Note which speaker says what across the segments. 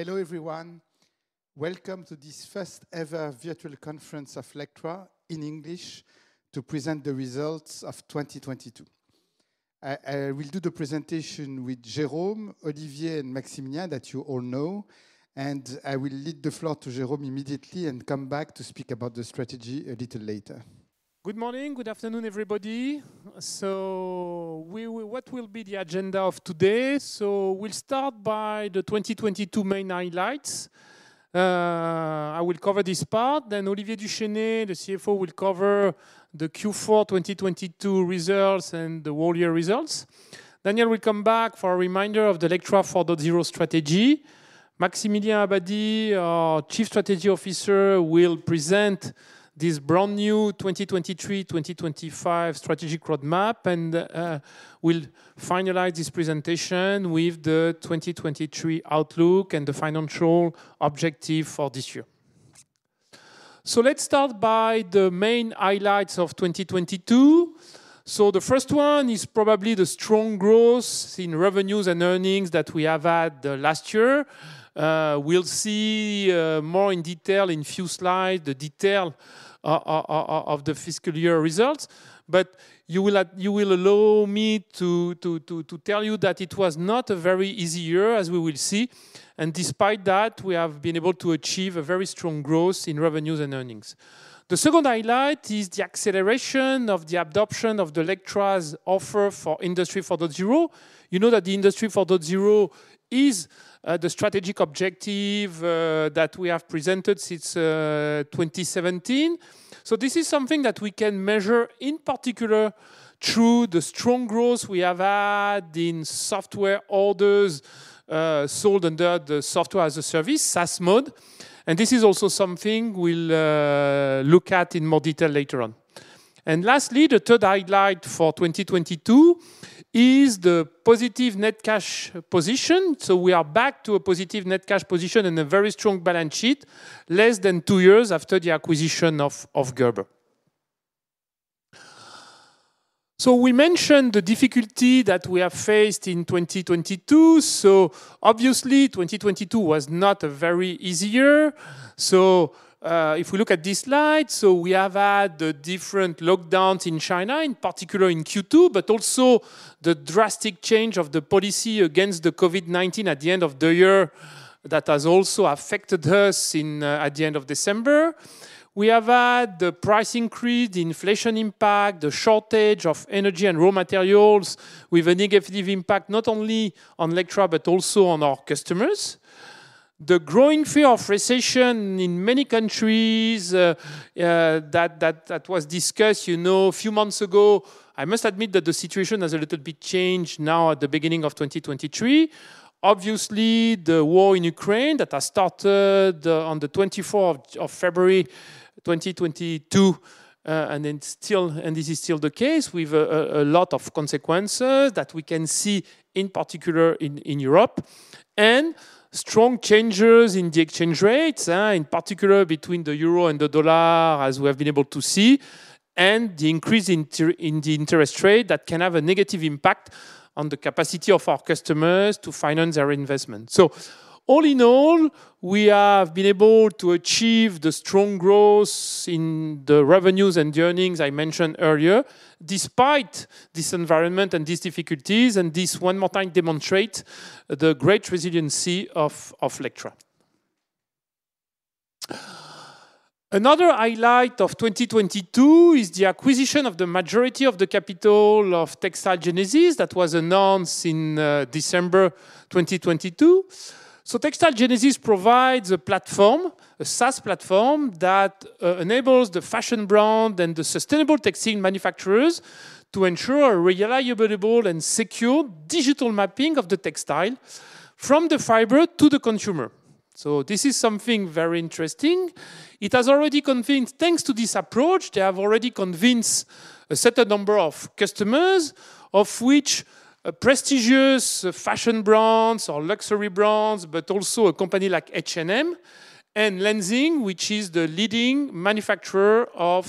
Speaker 1: Hello everyone. Welcome to this first-ever virtual conference of Lectra in English to present the results of 2022. I will do the presentation with Jerome, Olivier, and Maximilien, that you all know. I will leave the floor to Jerome immediately and come back to speak about the strategy a little later.
Speaker 2: Good morning. Good afternoon, everybody. What will be the agenda of today? We'll start by the 2022 main highlights. I will cover this part, then Olivier du Chesnay, the CFO, will cover the Q4 2022 results and the whole year results. I will come back for a reminder of the Lectra 4.0 strategy. Maximilien Abadie, our Chief Strategy Officer, will present this brand-new 2023/2025 strategic roadmap. We'll finalize this presentation with the 2023 outlook and the financial objective for this year. Let's start by the main highlights of 2022. The first one is probably the strong growth in revenues and earnings that we have had last year. We'll see more in detail in few slide, the detail of the fiscal year results. You will allow me to tell you that it was not a very easy year, as we will see. Despite that, we have been able to achieve a very strong growth in revenues and earnings. The second highlight is the acceleration of the adoption of the Lectra's offer for Industry 4.0. You know that the Industry 4.0 is the strategic objective that we have presented since 2017. This is something that we can measure, in particular through the strong growth we have had in software orders sold under the Software as a Service, SaaS mode. This is also something we'll look at in more detail later on. Lastly, the third highlight for 2022 is the positive net cash position. We are back to a positive net cash position and a very strong balance sheet less than two years after the acquisition of Gerber. We mentioned the difficulty that we have faced in 2022. Obviously 2022 was not a very easy year. If we look at this slide, we have had the different lockdowns in China, in particular in Q2, but also the drastic change of the policy against the COVID-19 at the end of the year that has also affected us in, at the end of December. We have had the price increase, the inflation impact, the shortage of energy and raw materials with a negative impact not only on Lectra, but also on our customers. The growing fear of recession in many countries that was discussed, you know, a few months ago. I must admit that the situation has a little bit changed now at the beginning of 2023. Obviously, the war in Ukraine that has started on the 24th of February 2022, and this is still the case with a lot of consequences that we can see, in particular in Europe, and strong changes in the exchange rates, in particular between the euro and the dollar, as we have been able to see, and the increase in the interest rate that can have a negative impact on the capacity of our customers to finance their investment. All in all, we have been able to achieve the strong growth in the revenues and the earnings I mentioned earlier, despite this environment and these difficulties, and this one more time demonstrate the great resiliency of Lectra. Another highlight of 2022 is the acquisition of the majority of the capital of TextileGenesis. That was announced in December 2022. TextileGenesis provides a platform, a SaaS platform that enables the fashion brand and the sustainable textile manufacturers to ensure a reliable and secure digital mapping of the textile from the fiber to the consumer. This is something very interesting. Thanks to this approach, they have already convinced a certain number of customers, of which prestigious fashion brands or luxury brands, but also a company like H&M and Lenzing, which is the leading manufacturer of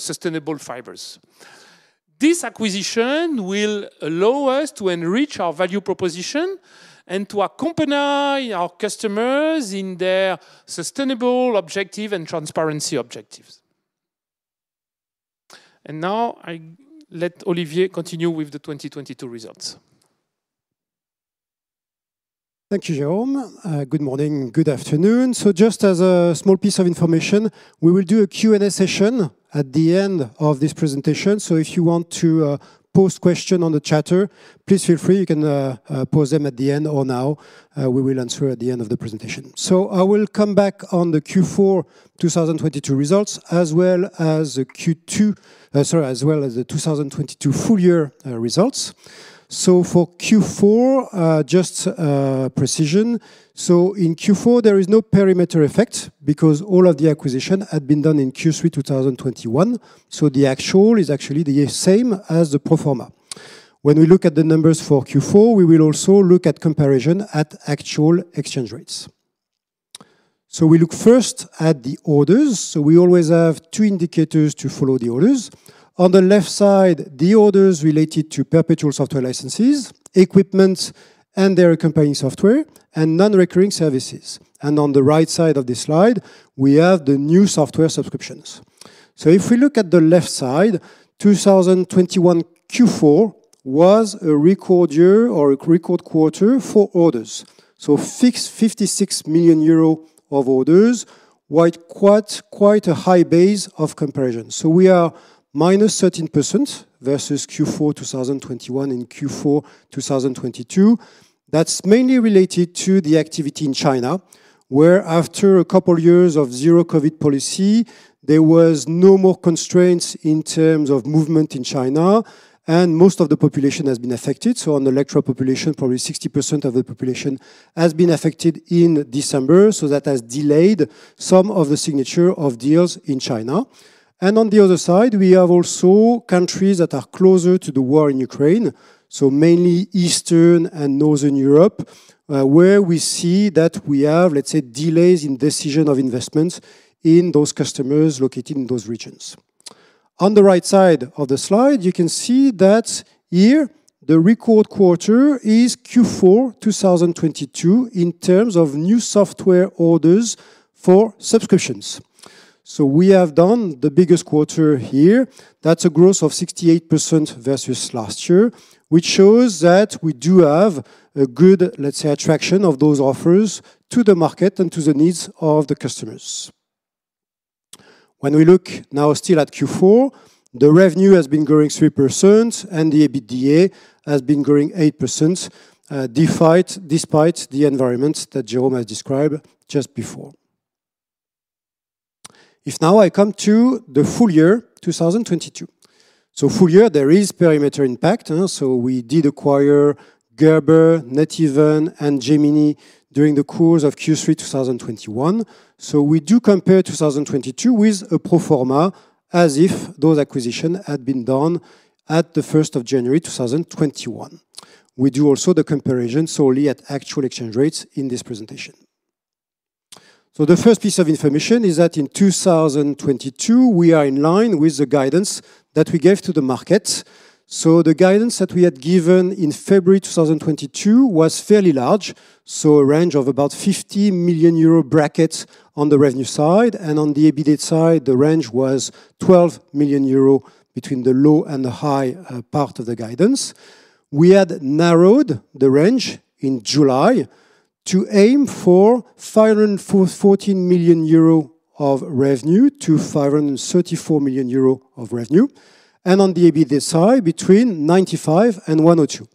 Speaker 2: sustainable fibers. This acquisition will allow us to enrich our value proposition and to accompany our customers in their sustainable objective and transparency objectives. Now I let Olivier continue with the 2022 results.
Speaker 1: Thank you, Jerome. Good morning. Good afternoon. Just as a small piece of information, we will do a Q&A session at the end of this presentation. If you want to post question on the chatter, please feel free. You can post them at the end or now. We will answer at the end of the presentation. I will come back on the Q4 2022 results as well as the 2022 full year results. For Q4, just precision. In Q4, there is no perimeter effect because all of the acquisition had been done in Q3 2021. The actual is actually the same as the pro forma. When we look at the numbers for Q4, we will also look at comparison at actual exchange rates. We look first at the orders. We always have two indicators to follow the orders. On the left side, the orders related to perpetual software licenses, equipment and their accompanying software, and non-recurring services. On the right side of this slide, we have the new software subscriptions. If we look at the left side, 2021 Q4 was a record year or a record quarter for orders. Fixed 56 million euro of orders, while quite a high base of comparison. We are -13% versus Q4 2021 and Q4 2022. That's mainly related to the activity in China, where after a couple years of zero COVID policy, there was no more constraints in terms of movement in China and most of the population has been affected. On the Lectra population, probably 60% of the population has been affected in December. That has delayed some of the signature of deals in China. On the other side, we have also countries that are closer to the war in Ukraine, mainly Eastern and Northern Europe, where we see that we have, let's say, delays in decision of investments in those customers located in those regions. On the right side of the slide, you can see that here the record quarter is Q4 2022 in terms of new software orders for subscriptions. We have done the biggest quarter here. That's a growth of 68% versus last year, which shows that we do have a good, let's say, attraction of those offers to the market and to the needs of the customers. When we look now still at Q4, the revenue has been growing 3% and the EBITDA has been growing 8% despite the environment that Jerome has described just before. Now I come to the full year, 2022. Full year there is perimeter impact, huh? We did acquire Gerber, Neteven, and Gemini during the course of Q3 2021. We do compare 2022 with a pro forma as if those acquisition had been done at the 1st of January, 2021. We do also the comparison solely at actual exchange rates in this presentation. The first piece of information is that in 2022 we are in line with the guidance that we gave to the market. The guidance that we had given in February 2022 was fairly large, a range of about 50 million euro brackets on the revenue side. On the EBITDA side, the range was 12 million euro between the low and the high part of the guidance. We had narrowed the range in July to aim for 514 million-534 million euro of revenue, and on the EBITDA side, between 95 million and 102 million.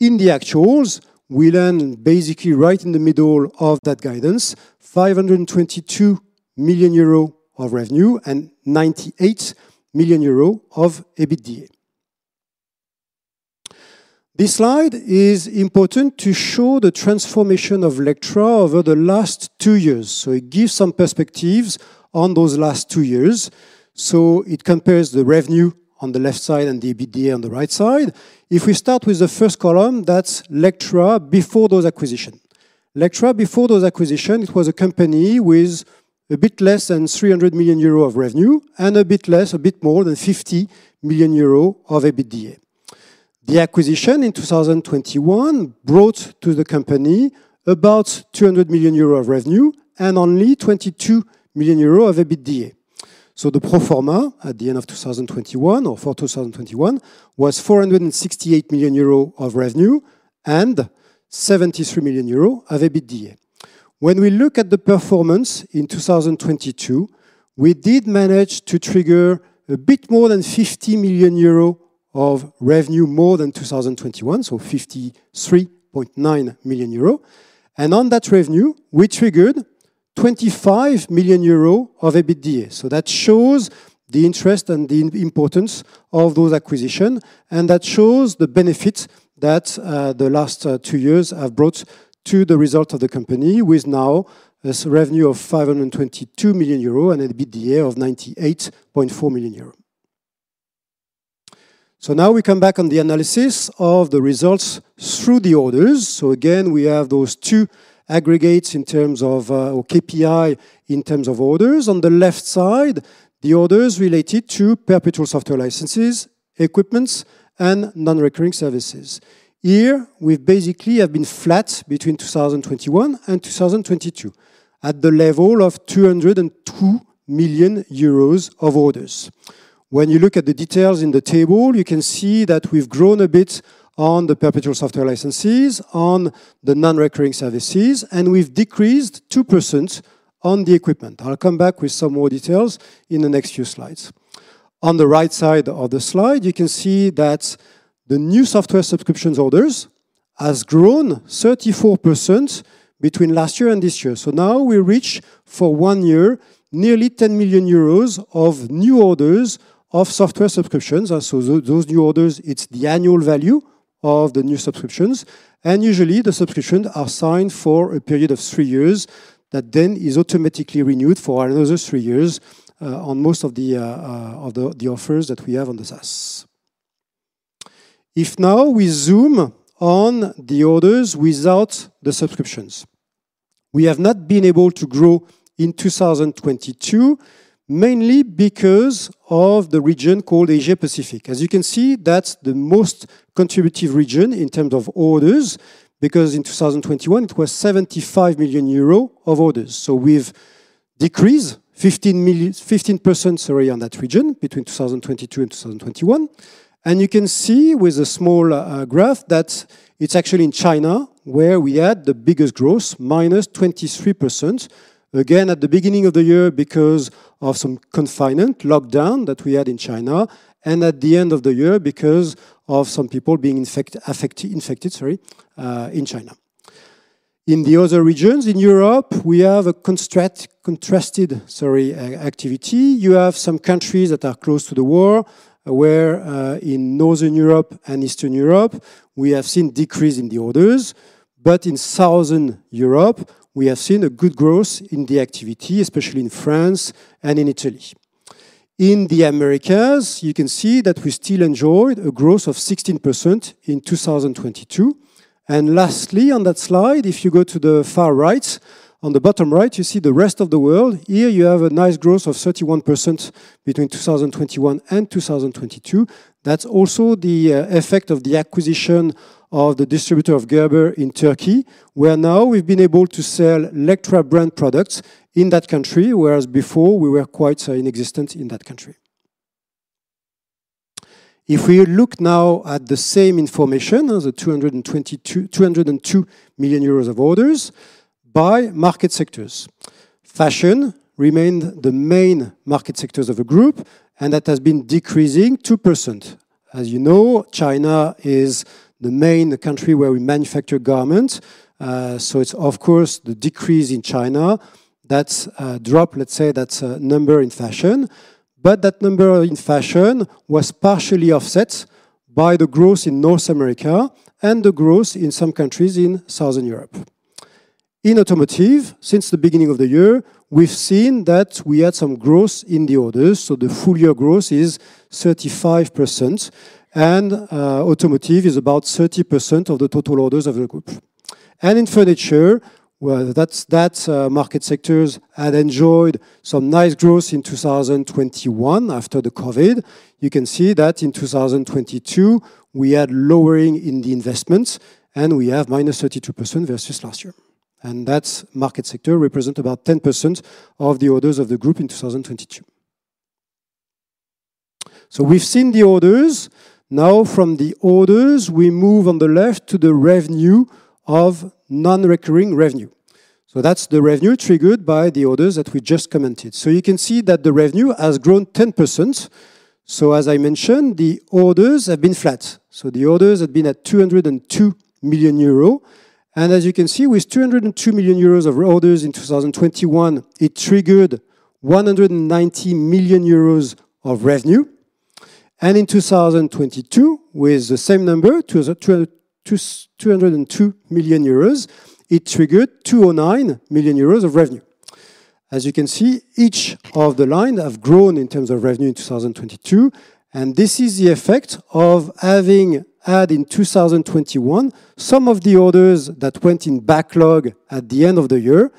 Speaker 1: In the actuals, we land basically right in the middle of that guidance, 522 million euro of revenue and 98 million euro of EBITDA. This slide is important to show the transformation of Lectra over the last two years. It gives some perspectives on those last two years. It compares the revenue on the left side and the EBITDA on the right side. If we start with the first column, that's Lectra before those acquisitions. Lectra, before those acquisitions, it was a company with a bit less than 300 million euro of revenue and a bit more than 50 million euro of EBITDA. The acquisition in 2021 brought to the company about 200 million euros of revenue and only 22 million euros of EBITDA. The pro forma at the end of 2021 or for 2021 was 468 million euro of revenue and 73 million euro of EBITDA. When we look at the performance in 2022, we did manage to trigger a bit more than 50 million euro of revenue, more than 2021, so 53.9 million euro. On that revenue, we triggered 25 million euro of EBITDA. That shows the interest and the importance of those acquisition, and that shows the benefit that the last two years have brought to the result of the company with now this revenue of 522 million euro and an EBITDA of 98.4 million euro. Now we come back on the analysis of the results through the orders. Again, we have those two aggregates in terms of or KPI in terms of orders. On the left side, the orders related to perpetual software licenses, equipments, and non-recurring services. Here we basically have been flat between 2021 and 2022 at the level of 202 million euros of orders. When you look at the details in the table, you can see that we've grown a bit on the perpetual software licenses, on the non-recurring services, and we've decreased 2% on the equipment. I'll come back with some more details in the next few slides. On the right side of the slide, you can see that the new software subscriptions orders has grown 34% between last year and this year. Now we reach for one year nearly 10 million euros of new orders of software subscriptions. Those new orders, it's the annual value of the new subscriptions. Usually the subscription are signed for a period of three years that then is automatically renewed for another three years on most of the offers that we have on the SaaS. Now we zoom on the orders without the subscriptions, we have not been able to grow in 2022, mainly because of the region called Asia-Pacific. You can see, that's the most contributive region in terms of orders, because in 2021, it was 75 million euro of orders. We've decreased 15%, sorry, on that region between 2022 and 2021. You can see with a small graph that it's actually in China where we had the biggest growth, -23%. At the beginning of the year because of some confinement, lockdown that we had in China, and at the end of the year because of some people being infected, sorry, in China. In the other regions in Europe, we have a contrasted, sorry, activity. You have some countries that are close to the war, where in Northern Europe and Eastern Europe, we have seen decrease in the orders. In Southern Europe, we have seen a good growth in the activity, especially in France and in Italy. In the Americas, you can see that we still enjoyed a growth of 16% in 2022. Lastly, on that slide, if you go to the far right, on the bottom right, you see the rest of the world. Here you have a nice growth of 31% between 2021 and 2022. That's also the effect of the acquisition of the distributor of Gerber in Turkey, where now we've been able to sell Lectra brand products in that country, whereas before we were quite inexistent in that country. If we look now at the same information as 202 million euros of orders by market sectors. Fashion remained the main market sectors of the group, and that has been decreasing 2%. As you know, China is the main country where we manufacture garments, so it's of course the decrease in China that's dropped, let's say, that number in fashion. That number in fashion was partially offset by the growth in North America and the growth in some countries in Southern Europe. In automotive, since the beginning of the year, we've seen that we had some growth in the orders, so the full year growth is 35%, and automotive is about 30% of the total orders of the group. In furniture, well, that's market sectors had enjoyed some nice growth in 2021 after the COVID. You can see that in 2022, we had lowering in the investments, and we have -32% versus last year. That market sector represent about 10% of the orders of the group in 2022. We've seen the orders. Now from the orders, we move on the left to the revenue of non-recurring revenue. That's the revenue triggered by the orders that we just commented. You can see that the revenue has grown 10%. As I mentioned, the orders have been flat. The orders have been at 202 million euro. As you can see, with 202 million euros of orders in 2021, it triggered 190 million euros of revenue. In 2022, with the same number, 202 million euros, it triggered 209 million euros of revenue. As you can see, each of the line have grown in terms of revenue in 2022, and this is the effect of having had in 2021 some of the orders that went in backlog at the end of the year.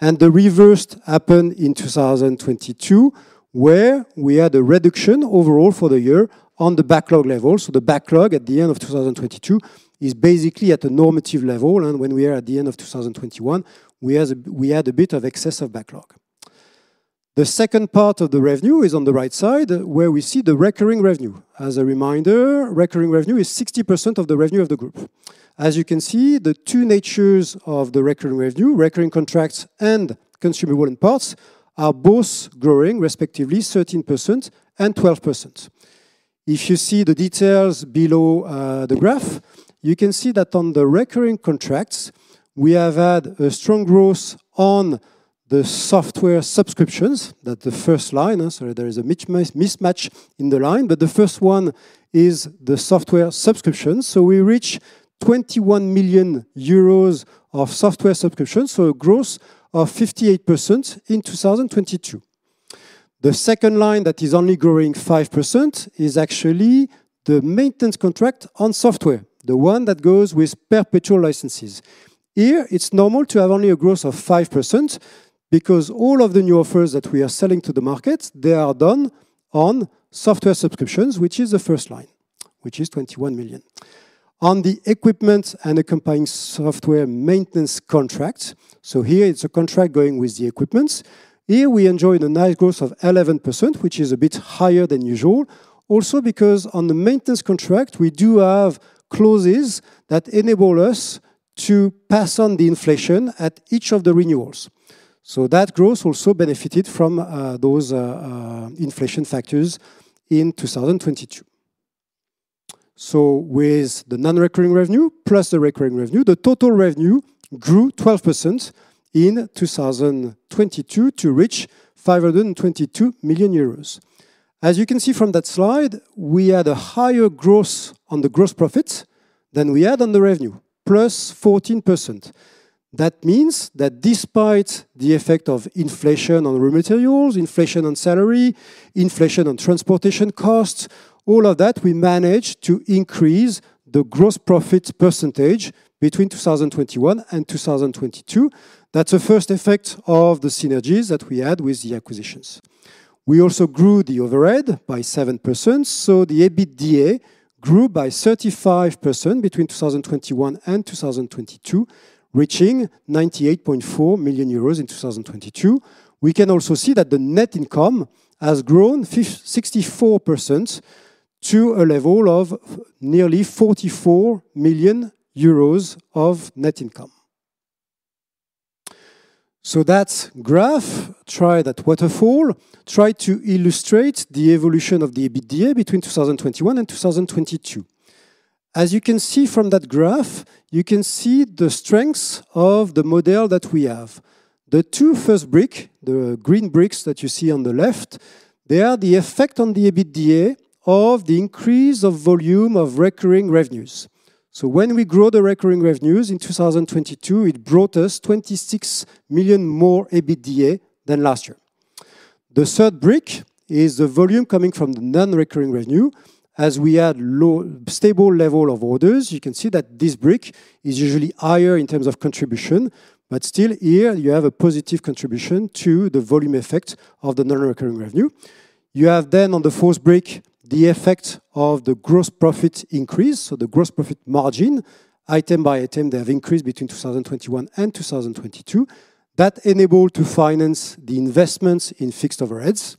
Speaker 1: The reverse happened in 2022, where we had a reduction overall for the year on the backlog level. The backlog at the end of 2022 is basically at a normative level. When we are at the end of 2021, we had a bit of excessive backlog. The second part of the revenue is on the right side, where we see the recurring revenue. As a reminder, recurring revenue is 60% of the revenue of the group. As you can see, the two natures of the recurring revenue, recurring contracts and consumable and parts, are both growing, respectively 13% and 12%. If you see the details below the graph, you can see that on the recurring contracts, we have had a strong growth on the software subscriptions. That the first line. Sorry there is a mismatch in the line, but the first one is the software subscriptions. We reach 21 million euros of software subscriptions, a growth of 58% in 2022. The second line that is only growing 5% is actually the maintenance contract on software, the one that goes with perpetual licenses. Here it's normal to have only a growth of 5% because all of the new offers that we are selling to the market, they are done on software subscriptions, which is the first line, which is 21 million. On the equipment and accompanying software maintenance contract. Here it's a contract going with the equipment. Here we enjoy the nice growth of 11%, which is a bit higher than usual. Because on the maintenance contract, we do have clauses that enable us to pass on the inflation at each of the renewals. That growth also benefited from those inflation factors in 2022. With the non-recurring revenue plus the recurring revenue, the total revenue grew 12% in 2022 to reach 522 million euros. As you can see from that slide, we had a higher growth on the gross profit. We add on the revenue plus 14%. That means that despite the effect of inflation on raw materials, inflation on salary, inflation on transportation costs, all of that, we managed to increase the gross profit percentage between 2021 and 2022. That's the first effect of the synergies that we had with the acquisitions. We also grew the overhead by 7%, the EBITDA grew by 35% between 2021 and 2022, reaching 98.4 million euros in 2022. We can also see that the net income has grown 64% to a level of nearly 44 million euros of net income. That waterfall try to illustrate the evolution of the EBITDA between 2021 and 2022. As you can see from that graph, you can see the strengths of the model that we have. The two first brick, the green bricks that you see on the left, they are the effect on the EBITDA of the increase of volume of recurring revenues. When we grow the recurring revenues in 2022, it brought us 26 million more EBITDA than last year. The third brick is the volume coming from the non-recurring revenue. As we had stable level of orders, you can see that this brick is usually higher in terms of contribution. Still here you have a positive contribution to the volume effect of the non-recurring revenue. On the fourth brick, the effect of the gross profit increase, so the gross profit margin. Item by item, they have increased between 2021 and 2022. That enable to finance the investments in fixed overheads.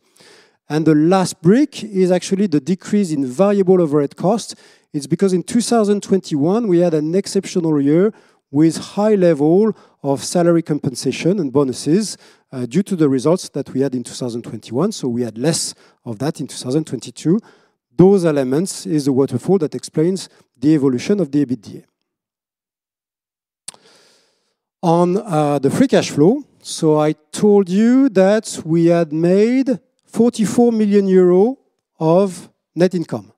Speaker 1: The last brick is actually the decrease in variable overhead costs. It's because in 2021 we had an exceptional year with high level of salary compensation and bonuses due to the results that we had in 2021. We had less of that in 2022. Those elements is the waterfall that explains the evolution of the EBITDA. On the free cash flow. I told you that we had made 44 million euros of net income.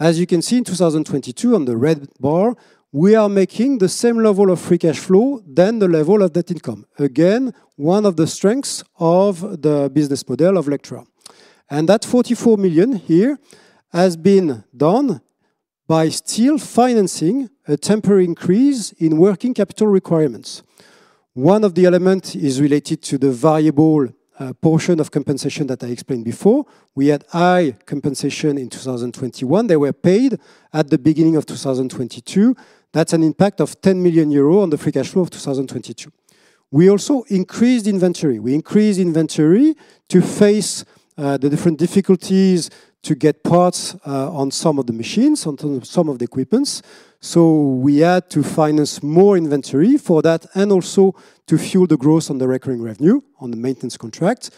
Speaker 1: As you can see in 2022 on the red bar, we are making the same level of free cash flow than the level of net income. Again, one of the strengths of the business model of Lectra. That 44 million here has been done by still financing a temporary increase in working capital requirements. One of the element is related to the variable portion of compensation that I explained before. We had high compensation in 2021. They were paid at the beginning of 2022. That's an impact of 10 million euros on the free cash flow of 2022. We also increased inventory. We increased inventory to face the different difficulties to get parts on some of the machines, on some of the equipments. We had to finance more inventory for that and also to fuel the growth on the recurring revenue on the maintenance contract.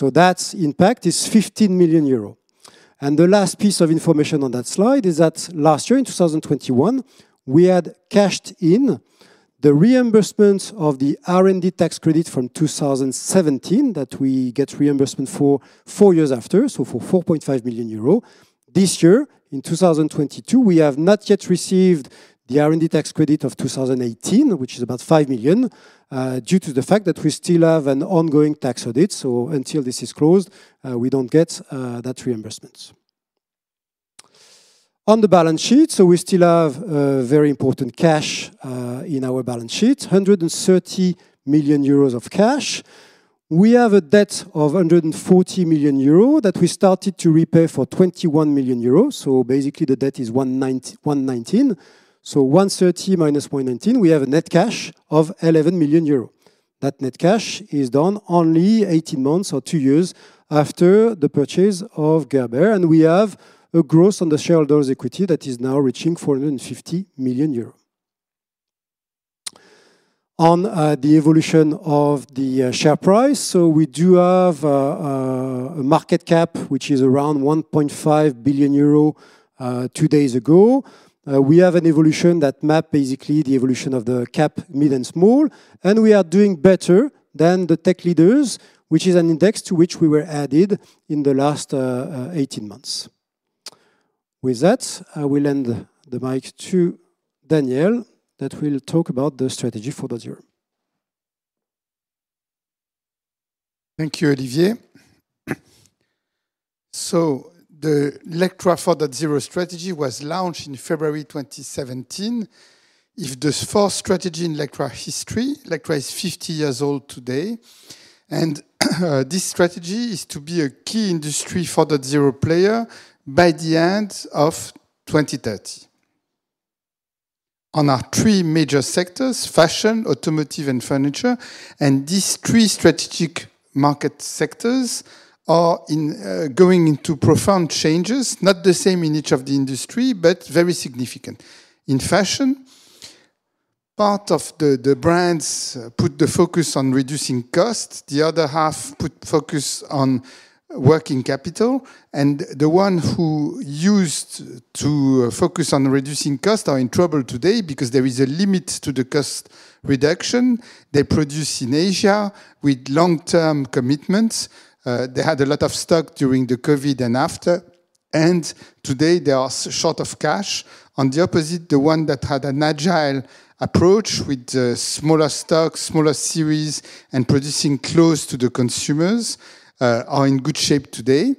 Speaker 1: That impact is 15 million euros. The last piece of information on that slide is that last year, in 2021, we had cashed in the reimbursement of the R&D tax credit from 2017 that we get reimbursement for four years after, so for 4.5 million euros. This year, in 2022, we have not yet received the R&D tax credit of 2018, which is about 5 million, due to the fact that we still have an ongoing tax audit. Until this is closed, we don't get that reimbursements. On the balance sheet. We still have very important cash in our balance sheet, 130 million euros of cash. We have a debt of 140 million euros that we started to repay for 21 million euros. Basically the debt is 119 million. 130 million minus 119 million, we have a net cash of 11 million euros. That net cash is done only 18 months or two years after the purchase of Gerber, and we have a growth on the shareholders' equity that is now reaching 450 million euros. On the evolution of the share price. We do have a market cap which is around 1.5 billion euro two days ago. We have an evolution that map basically the evolution of the CAC Mid & Small. We are doing better than the Tech Leaders, which is an index to which we were added in the last, 18 months. With that, I will lend the mic to Daniel that will talk about the strategy for the year.
Speaker 3: Thank you, Olivier. The Lectra 4.0 strategy was launched in February 2017. It's the fourth strategy in Lectra history. Lectra is 50 years old today. This strategy is to be a key Industry 4.0 player by the end of 2030. On our three major sectors, fashion, automotive, and furniture, these three strategic market sectors are going into profound changes. Not the same in each of the industry, but very significant. In fashion, part of the brands put the focus on reducing costs. The other half put focus on working capital. The one who used to focus on reducing costs are in trouble today because there is a limit to the cost reduction. They produce in Asia with long-term commitments. They had a lot of stock during the COVID and after. And today they are short of cash. On the opposite, the one that had an agile approach with smaller stocks, smaller series, and producing close to the consumers are in good shape today.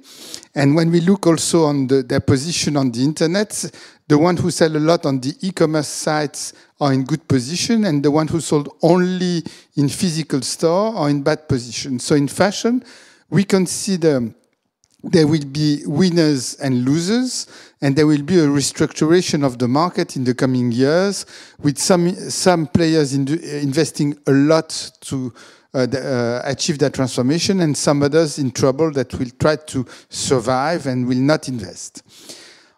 Speaker 3: When we look also on the-- their position on the internet, the one who sell a lot on the e-commerce sites are in good position, and the one who sold only in physical store are in bad position. In fashion, we can see them. There will be winners and losers, and there will be a restructuration of the market in the coming years with some players investing a lot to achieve their transformation and some others in trouble that will try to survive and will not invest.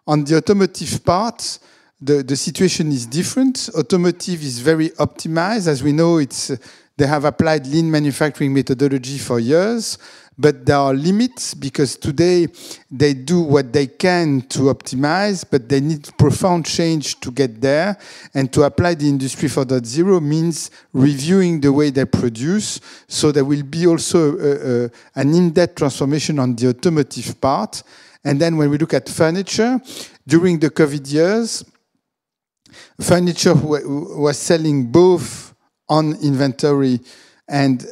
Speaker 3: On the automotive part, the situation is different. Automotive is very optimized. As we know, they have applied lean manufacturing methodology for years. There are limits because today they do what they can to optimize, but they need profound change to get there and to apply the Industry 4.0 means reviewing the way they produce. There will be also an in-depth transformation on the automotive part. When we look at furniture, during the COVID years, furniture was selling both on inventory and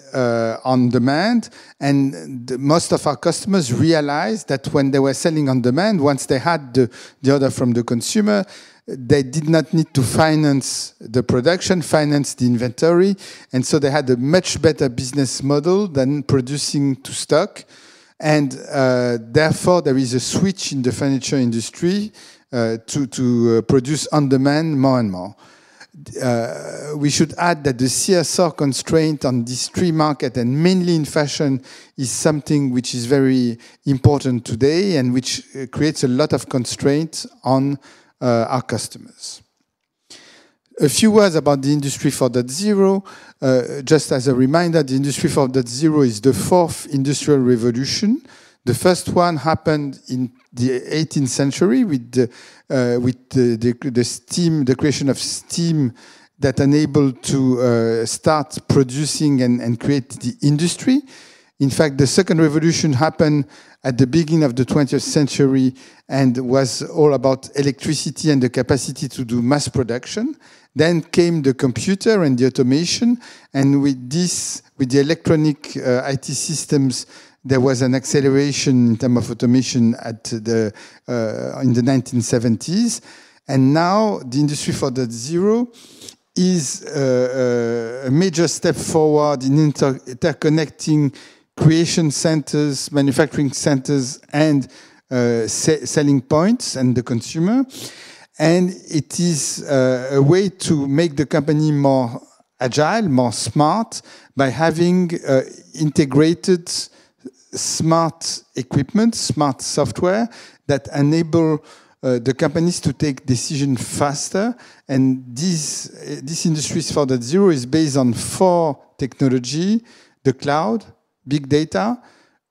Speaker 3: on demand, and most of our customers realized that when they were selling on demand, once they had the order from the consumer, they did not need to finance the production, finance the inventory, and they had a much better business model than producing to stock. Therefore, there is a switch in the furniture industry to produce on demand more and more. We should add that the CSR constraint on this free market and mainly in fashion is something which is very important today and which creates a lot of constraints on our customers. A few words about the Industry 4.0. Just as a reminder, the Industry 4.0 is the fourth industrial revolution. The first one happened in the eighteenth century with the steam, the creation of steam that enabled to start producing and create the industry. In fact, the second revolution happened at the beginning of the twentieth century and was all about electricity and the capacity to do mass production. The computer and the automation came, and with this, with the electronic IT systems, there was an acceleration in term of automation in the 1970s. Now the Industry 4.0 is a major step forward in interconnecting creation centers, manufacturing centers, and selling points and the consumer. It is a way to make the company more agile, more smart by having integrated smart equipment, smart software that enable the companies to take decision faster. This Industry 4.0 is based on four technology, the cloud, big data,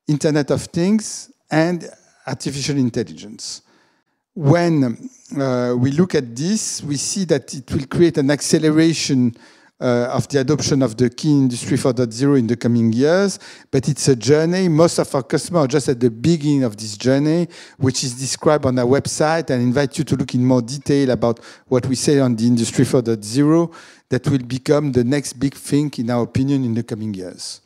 Speaker 3: Internet of Things, and artificial intelligence. When we look at this, we see that it will create an acceleration of the adoption of the key Industry 4.0 in the coming years, it's a journey. Most of our customers are just at the beginning of this journey, which is described on our website and invite you to look in more detail about what we say on the Industry 4.0 that will become the next big thing, in our opinion, in the coming years.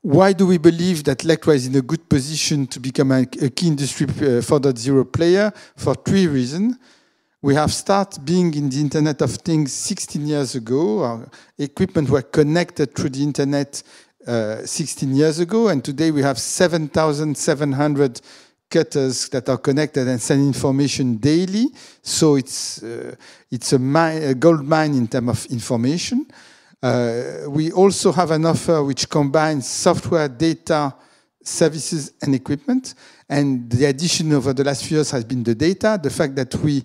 Speaker 3: Why do we believe that Lectra is in a good position to become a key Industry 4.0 player? For three reasons. We have started being in the Internet of Things 16 years ago. Our equipment was connected through the internet 16 years ago, and today we have 7,700 cutters that are connected and send information daily. It's a goldmine in terms of information. We also have an offer which combines software, data, services, and equipment, and the addition over the last few years has been the data. The fact that we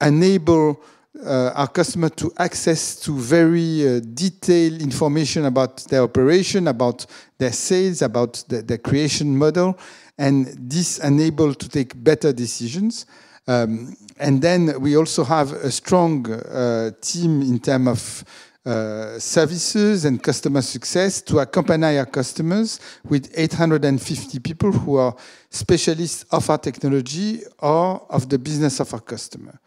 Speaker 3: enable our customer to access to very detailed information about their operation, about their sales, about the creation model, and this enable to take better decisions. We also have a strong team in term of services and customer success to accompany our customers with 850 people who are specialists of our technology or of the business of our customer.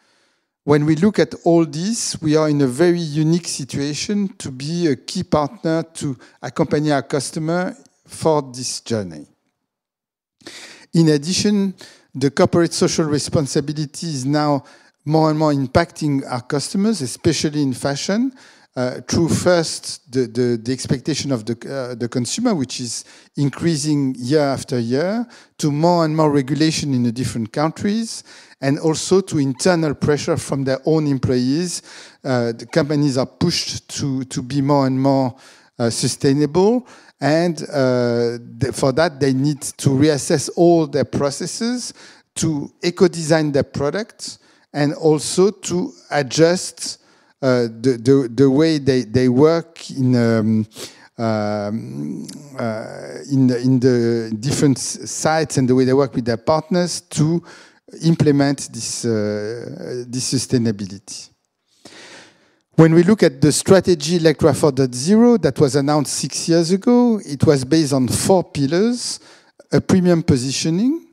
Speaker 3: When we look at all this, we are in a very unique situation to be a key partner to accompany our customer for this journey. In addition, the Corporate Social Responsibility is now more and more impacting our customers, especially in fashion, through first the expectation of the consumer, which is increasing year after year, to more and more regulation in the different countries, and also to internal pressure from their own employees. The companies are pushed to be more and more sustainable, and for that, they need to reassess all their processes to eco-design their products and also to adjust the way they work in the different sites and the way they work with their partners to implement this sustainability. When we look at the strategy Lectra 4.0 that was announced six years ago, it was based on four pillars, a premium positioning.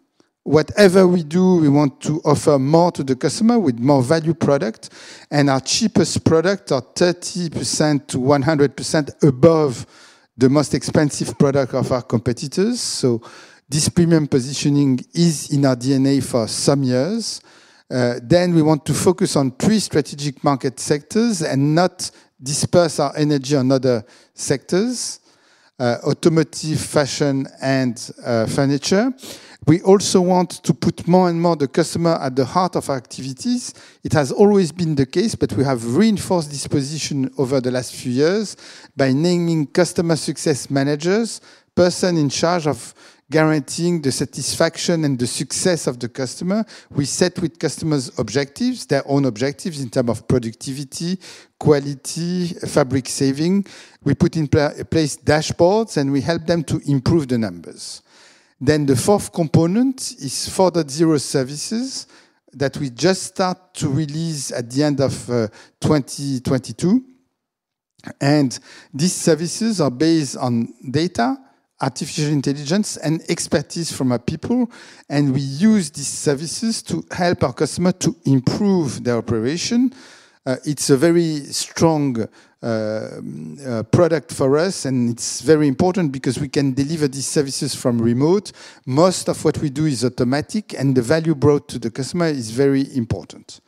Speaker 3: Whatever we do, we want to offer more to the customer with more value product. Our cheapest product are 30% to 100% above the most expensive product of our competitors. This premium positioning is in our DNA for some years. Then we want to focus on three strategic market sectors and not disperse our energy on other sectors, automotive, fashion, and furniture. We also want to put more and more the customer at the heart of our activities. It has always been the case, we have reinforced this position over the last few years by naming customer success managers, person in charge of guaranteeing the satisfaction and the success of the customer. We set with customers objectives, their own objectives in terms of productivity, quality, fabric saving. We put in place dashboards, we help them to improve the numbers. The fourth component is 4.0 services that we just start to release at the end of 2022. These services are based on data, artificial intelligence, and expertise from our people, and we use these services to help our customer to improve their operation. It's a very strong product for us, and it's very important because we can deliver these services from remote. Most of what we do is automatic, and the value brought to the customer is very important.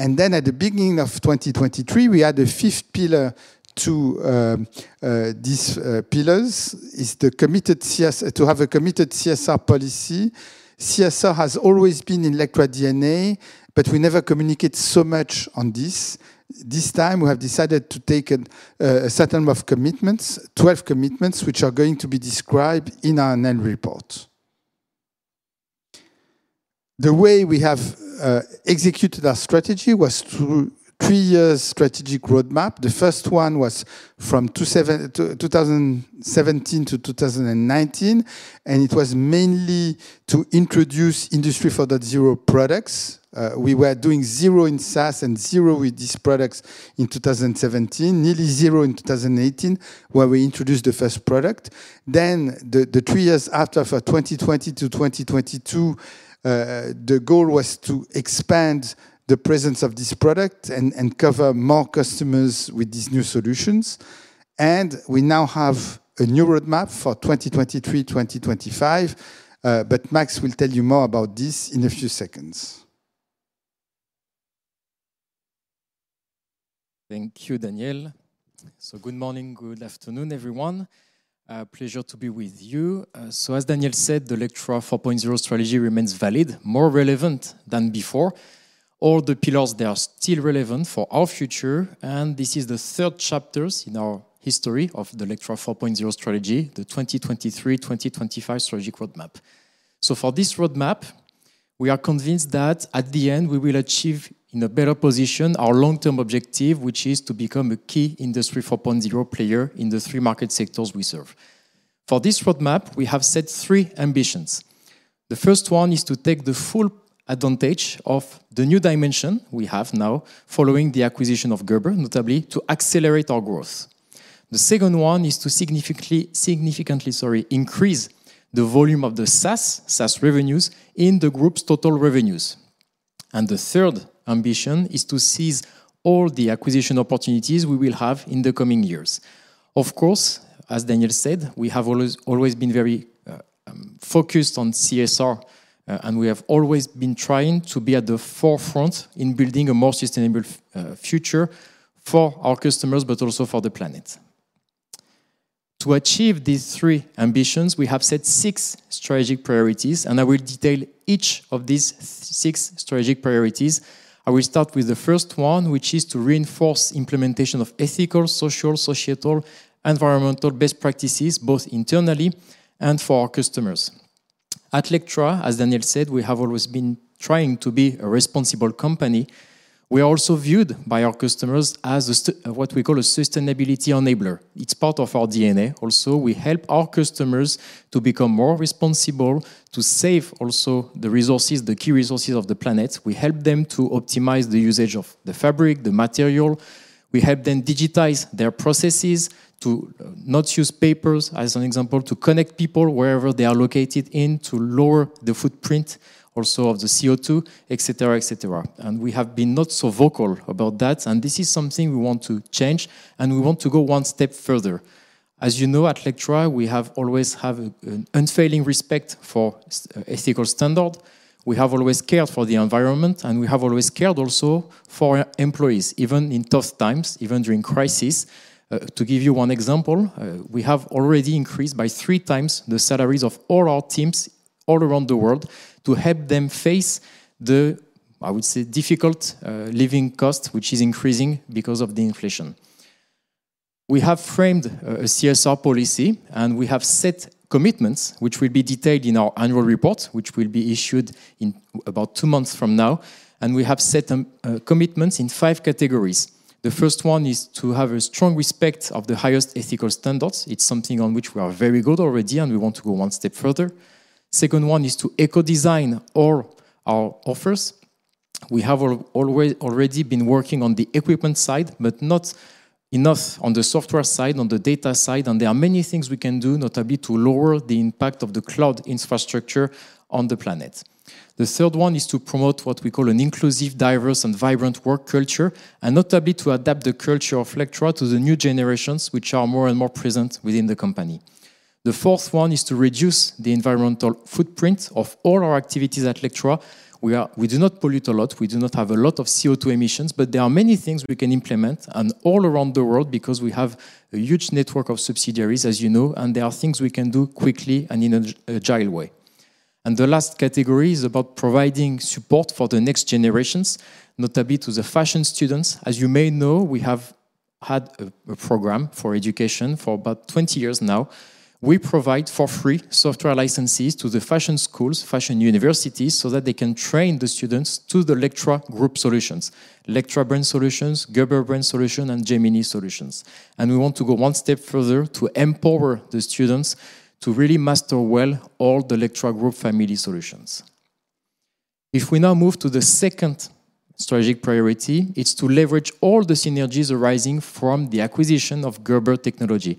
Speaker 3: At the beginning of 2023, we add a fifth pillar to these pillars, is the committed CSR policy. CSR has always been in Lectra DNA, but we never communicate so much on this. This time, we have decided to take a certain of commitments, 12 commitments, which are going to be described in our annual report. The way we have executed our strategy was through three years strategic roadmap. The first one was from 2017 to 2019, it was mainly to introduce Industry 4.0 products. We were doing zero in SaaS and zero with these products in 2017, nearly zero in 2018, where we introduced the first product. The three years after, for 2020 to 2022, the goal was to expand the presence of this product and cover more customers with these new solutions. We now have a new roadmap for 2023, 2025. Max will tell you more about this in a few seconds.
Speaker 4: Thank you, Daniel. Good morning, good afternoon, everyone. Pleasure to be with you. As Daniel said, the Lectra 4.0 strategy remains valid, more relevant than before. All the pillars, they are still relevant for our future, and this is the third chapters in our history of the Lectra 4.0 strategy, the 2023-2025 strategic roadmap. For this roadmap, we are convinced that at the end, we will achieve in a better position our long-term objective, which is to become a key Industry 4.0 player in the three market sectors we serve. For this roadmap, we have set three ambitions. The first one is to take the full advantage of the new dimension we have now following the acquisition of Gerber, notably to accelerate our growth. The second one is to significantly, sorry, increase the volume of the SaaS revenues in the group's total revenues. The third ambition is to seize all the acquisition opportunities we will have in the coming years. Of course, as Daniel said, we have always been very focused on CSR, and we have always been trying to be at the forefront in building a more sustainable future for our customers, but also for the planet. To achieve these three ambitions, we have set six strategic priorities, and I will detail each of these six strategic priorities. I will start with the first one, which is to reinforce implementation of ethical, social, societal, environmental best practices, both internally and for our customers. At Lectra, as Daniel said, we have always been trying to be a responsible company. We are also viewed by our customers as what we call a sustainability enabler. It's part of our DNA. We help our customers to become more responsible, to save also the resources, the key resources of the planet. We help them to optimize the usage of the fabric, the material. We help them digitize their processes to not use papers, as an example, to connect people wherever they are located in, to lower the footprint also of the CO2, et cetera, et cetera. We have been not so vocal about that, and this is something we want to change, and we want to go one step further. As you know, at Lectra, we always have an unfailing respect for ethical standard. We have always cared for the environment, and we have always cared also for our employees, even in tough times, even during crisis. To give you one example, we have already increased by 3x the salaries of all our teams all around the world to help them face the, I would say, difficult living cost, which is increasing because of the inflation. We have framed a CSR policy, and we have set commitments which will be detailed in our annual report, which will be issued in about two months from now. We have set commitments in five categories. The first one is to have a strong respect of the highest ethical standards. It's something on which we are very good already, and we want to go one step further. Second one is to eco-design all our offers. We have already been working on the equipment side, but not enough on the software side, on the data side. There are many things we can do, notably to lower the impact of the cloud infrastructure on the planet. The third one is to promote what we call an inclusive, diverse, and vibrant work culture, notably to adapt the culture of Lectra to the new generations which are more and more present within the company. The fourth one is to reduce the environmental footprint of all our activities at Lectra. We do not pollute a lot. We do not have a lot of CO₂ emissions, but there are many things we can implement all around the world because we have a huge network of subsidiaries, as you know. There are things we can do quickly and in an agile way. The last category is about providing support for the next generations, notably to the fashion students. As you may know, we have had a program for education for about 20 years now. We provide, for free, software licenses to the fashion schools, fashion universities, so that they can train the students to the Lectra Group solutions, Lectra brand solutions, Gerber brand solution, and Gemini solutions. We want to go one step further to empower the students to really master well all the Lectra Group family solutions. If we now move to the second strategic priority, it's to leverage all the synergies arising from the acquisition of Gerber Technology.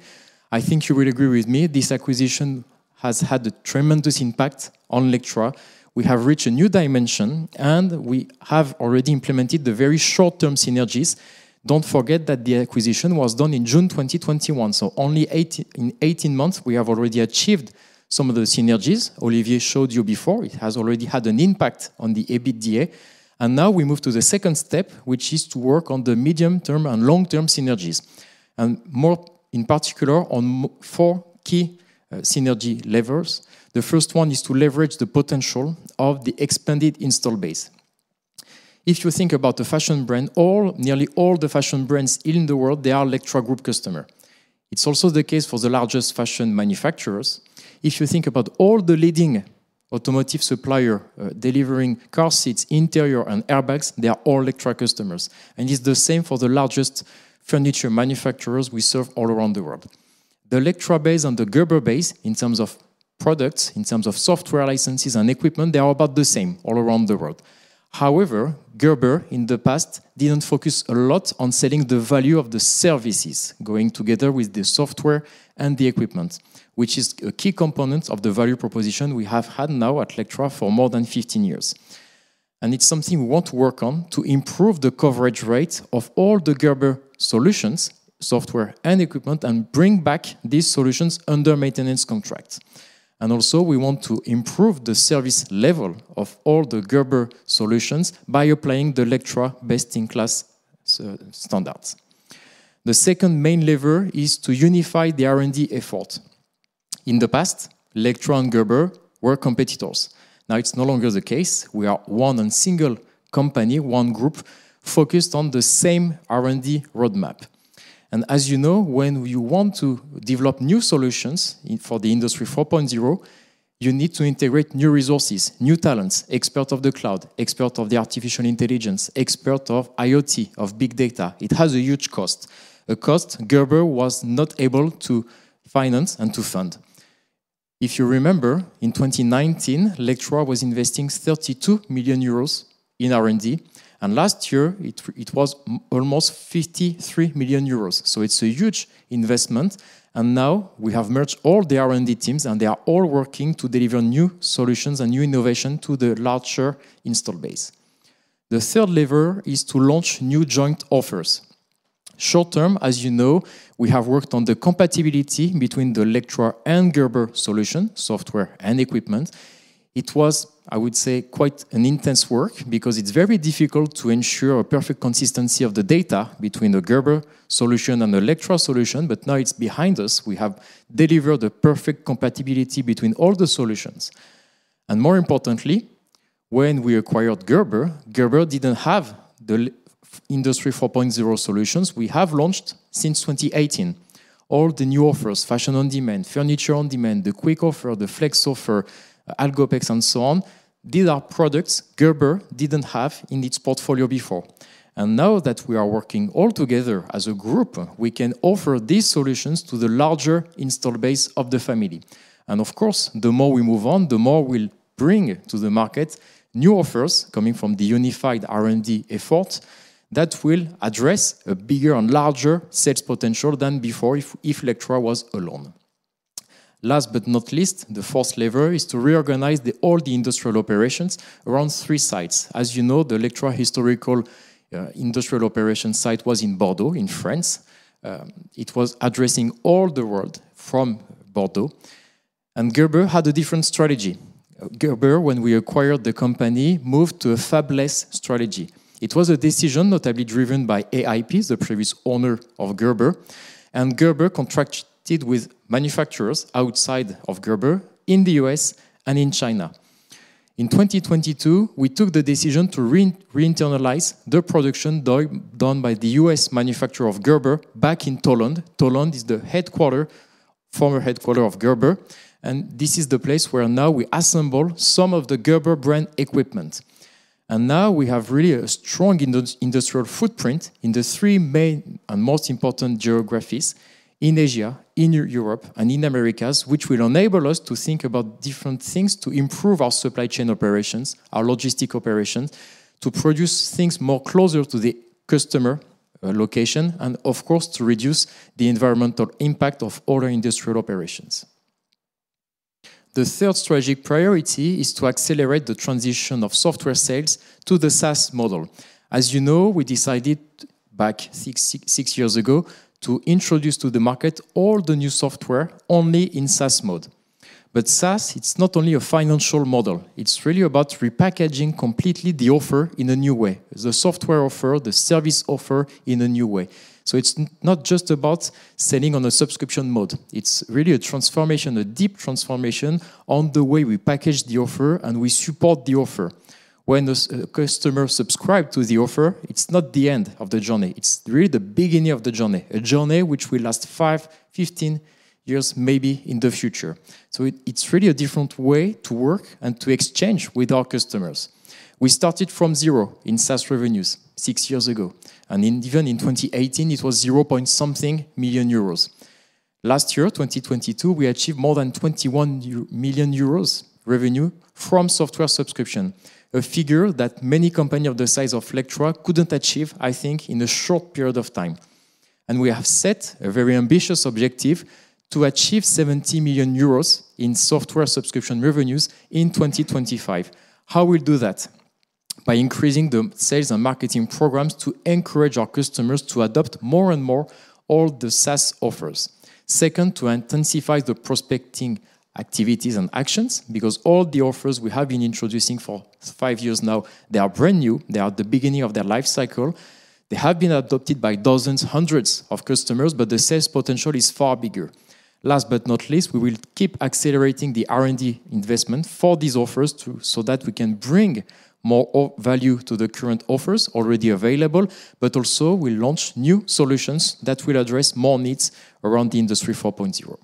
Speaker 4: I think you will agree with me, this acquisition has had a tremendous impact on Lectra. We have reached a new dimension, and we have already implemented the very short-term synergies. Don't forget that the acquisition was done in June 2021, in 18 months, we have already achieved some of the synergies Olivier showed you before. It has already had an impact on the EBITDA. Now we move to the second step, which is to work on the medium-term and long-term synergies, and more in particular, on four key synergy levers. The first one is to leverage the potential of the expanded install base. If you think about the fashion brand, nearly all the fashion brands in the world, they are Lectra group customer. It's also the case for the largest fashion manufacturers. If you think about all the leading automotive supplier, delivering car seats, interior, and airbags, they are all Lectra customers. It's the same for the largest furniture manufacturers we serve all around the world. The Lectra base and the Gerber base, in terms of products, in terms of software licenses and equipment, they are about the same all around the world. Gerber, in the past, didn't focus a lot on selling the value of the services going together with the software and the equipment, which is a key component of the value proposition we have had now at Lectra for more than 15 years. It's something we want to work on to improve the coverage rate of all the Gerber solutions, software, and equipment, and bring back these solutions under maintenance contract. We want to improve the service level of all the Gerber solutions by applying the Lectra best-in-class standards. The second main lever is to unify the R&D effort. In the past, Lectra and Gerber were competitors. Now it's no longer the case. We are one and single company, one group focused on the same R&D roadmap. As you know, when you want to develop new solutions for the Industry 4.0, you need to integrate new resources, new talents, expert of the cloud, expert of the artificial intelligence, expert of IoT, of big data. It has a huge cost, a cost Gerber was not able to finance and to fund. If you remember, in 2019, Lectra was investing 32 million euros in R&D, and last year it was almost 53 million euros. It's a huge investment. Now we have merged all the R&D teams, and they are all working to deliver new solutions and new innovation to the larger install base. The third lever is to launch new joint offers. Short-term, as you know, we have worked on the compatibility between the Lectra and Gerber solution, software, and equipment. It was, I would say, quite an intense work because it's very difficult to ensure a perfect consistency of the data between the Gerber solution and the Lectra solution, but now it's behind us. We have delivered a perfect compatibility between all the solutions. More importantly, when we acquired Gerber didn't have the Industry 4.0 solutions we have launched since 2018. All the new offers, Fashion On Demand, Furniture On Demand, the Quick Offer, the Flex Offer, Algopex, and so on, these are products Gerber didn't have in its portfolio before. Now that we are working all together as a group, we can offer these solutions to the larger install base of the family. Of course, the more we move on, the more we'll bring to the market new offers coming from the unified R&D effort that will address a bigger and larger sales potential than before if Lectra was alone. Last but not least, the 4th lever is to reorganize all the industrial operations around three sites. As you know, the Lectra historical industrial operation site was in Bordeaux, in France. It was addressing all the world from Bordeaux. Gerber had a different strategy. Gerber, when we acquired the company, moved to a fabless strategy. It was a decision notably driven by AIP, the previous owner of Gerber, and Gerber contracted with manufacturers outside of Gerber in the U.S. and in China. In 2022, we took the decision to re-internalize the production done by the U.S. manufacturer of Gerber back in Tolland. Tolland is the headquarter, former headquarter of Gerber, and this is the place where now we assemble some of the Gerber brand equipment. Now we have really a strong industrial footprint in the three main and most important geographies in Asia, in Europe, and in Americas, which will enable us to think about different things to improve our supply chain operations, our logistic operations, to produce things more closer to the customer location, and of course, to reduce the environmental impact of all our industrial operations. The third strategic priority is to accelerate the transition of software sales to the SaaS model. As you know, we decided back 6 years ago to introduce to the market all the new software only in SaaS mode. SaaS, it's not only a financial model, it's really about repackaging completely the offer in a new way. The software offer, the service offer in a new way. It's not just about selling on a subscription mode. It's really a transformation, a deep transformation on the way we package the offer and we support the offer. When the customer subscribe to the offer, it's not the end of the journey. It's really the beginning of the journey. A journey which will last five, 15 years maybe in the future. It's really a different way to work and to exchange with our customers. We started from zero in SaaS revenues six years ago, and even in 2018 it was zero-point-something million EUR. Last year, 2022, we achieved more than 21 million euros revenue from software subscription, a figure that many company of the size of Lectra couldn't achieve, I think, in a short period of time. We have set a very ambitious objective to achieve 70 million euros in software subscription revenues in 2025. How we do that? By increasing the sales and marketing programs to encourage our customers to adopt more and more all the SaaS offers. Second, to intensify the prospecting activities and actions because all the offers we have been introducing for five years now, they are brand new. They are at the beginning of their life cycle. They have been adopted by dozens, hundreds of customers, but the sales potential is far bigger. Last but not least, we will keep accelerating the R&D investment for these offers so that we can bring more value to the current offers already available, but also we'll launch new solutions that will address more needs around the Industry 4.0.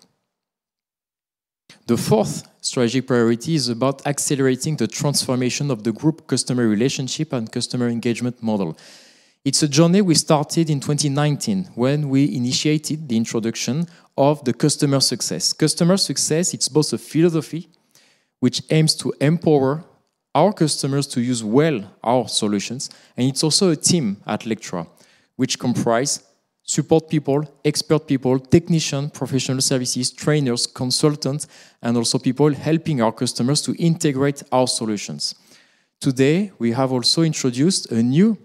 Speaker 4: The fourth strategic priority is about accelerating the transformation of the group customer relationship and customer engagement model. It's a journey we started in 2019 when we initiated the introduction of the customer success. Customer success, it's both a philosophy which aims to empower our customers to use well our solutions, and it's also a team at Lectra which comprise support people, expert people, technician, professional services, trainers, consultants, and also people helping our customers to integrate our solutions. Today, we have also introduced a new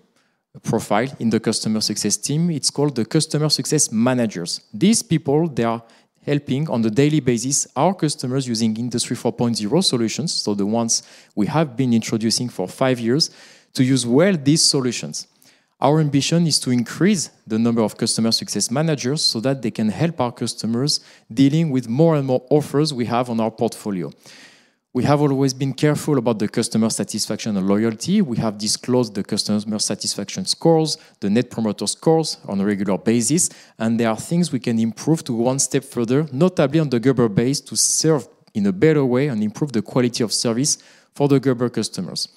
Speaker 4: profile in the customer success team. It's called the customer success managers. These people, they are helping on a daily basis our customers using Industry 4.0 solutions, so the ones we have been introducing for five years, to use well these solutions. Our ambition is to increase the number of customer success managers so that they can help our customers dealing with more and more offers we have on our portfolio. We have always been careful about the customer satisfaction and loyalty. We have disclosed the customer satisfaction scores, the Net Promoter Scores on a regular basis. There are things we can improve to one step further, notably on the Gerber base, to serve in a better way and improve the quality of service for the Gerber customers.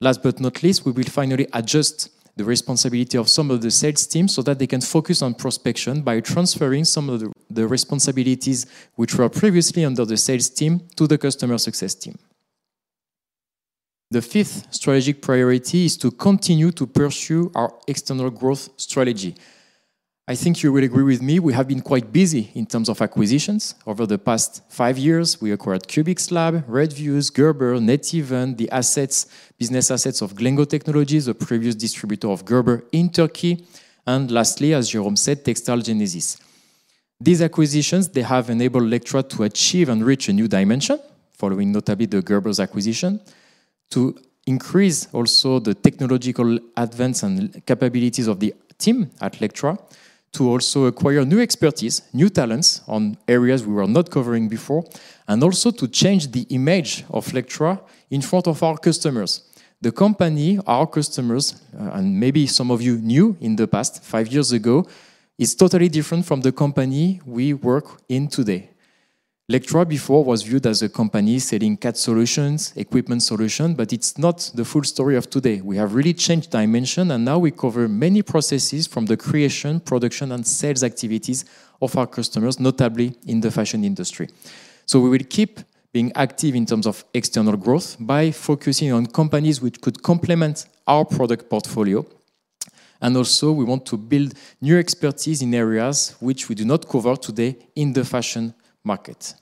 Speaker 4: Last but not least, we will finally adjust the responsibility of some of the sales teams so that they can focus on prospection by transferring some of the responsibilities which were previously under the sales team to the customer success team. The fifth strategic priority is to continue to pursue our external growth strategy. I think you will agree with me, we have been quite busy in terms of acquisitions. Over the past five years, we acquired Kubix Lab, Retviews, Gerber, Neteven, business assets of Glengo Teknoloji, a previous distributor of Gerber in Turkey, and lastly, as Jerome said, TextileGenesis. These acquisitions, they have enabled Lectra to achieve and reach a new dimension following notably the Gerber's acquisition to increase also the technological advance and capabilities of the team at Lectra to also acquire new expertise, new talents on areas we were not covering before, and also to change the image of Lectra in front of our customers. The company, our customers, and maybe some of you knew in the past five years ago, is totally different from the company we work in today. Lectra before was viewed as a company selling CAD solutions, equipment solution, but it's not the full story of today. We have really changed dimension, and now we cover many processes from the creation, production, and sales activities of our customers, notably in the fashion industry. We will keep being active in terms of external growth by focusing on companies which could complement our product portfolio, and also we want to build new expertise in areas which we do not cover today in the fashion market.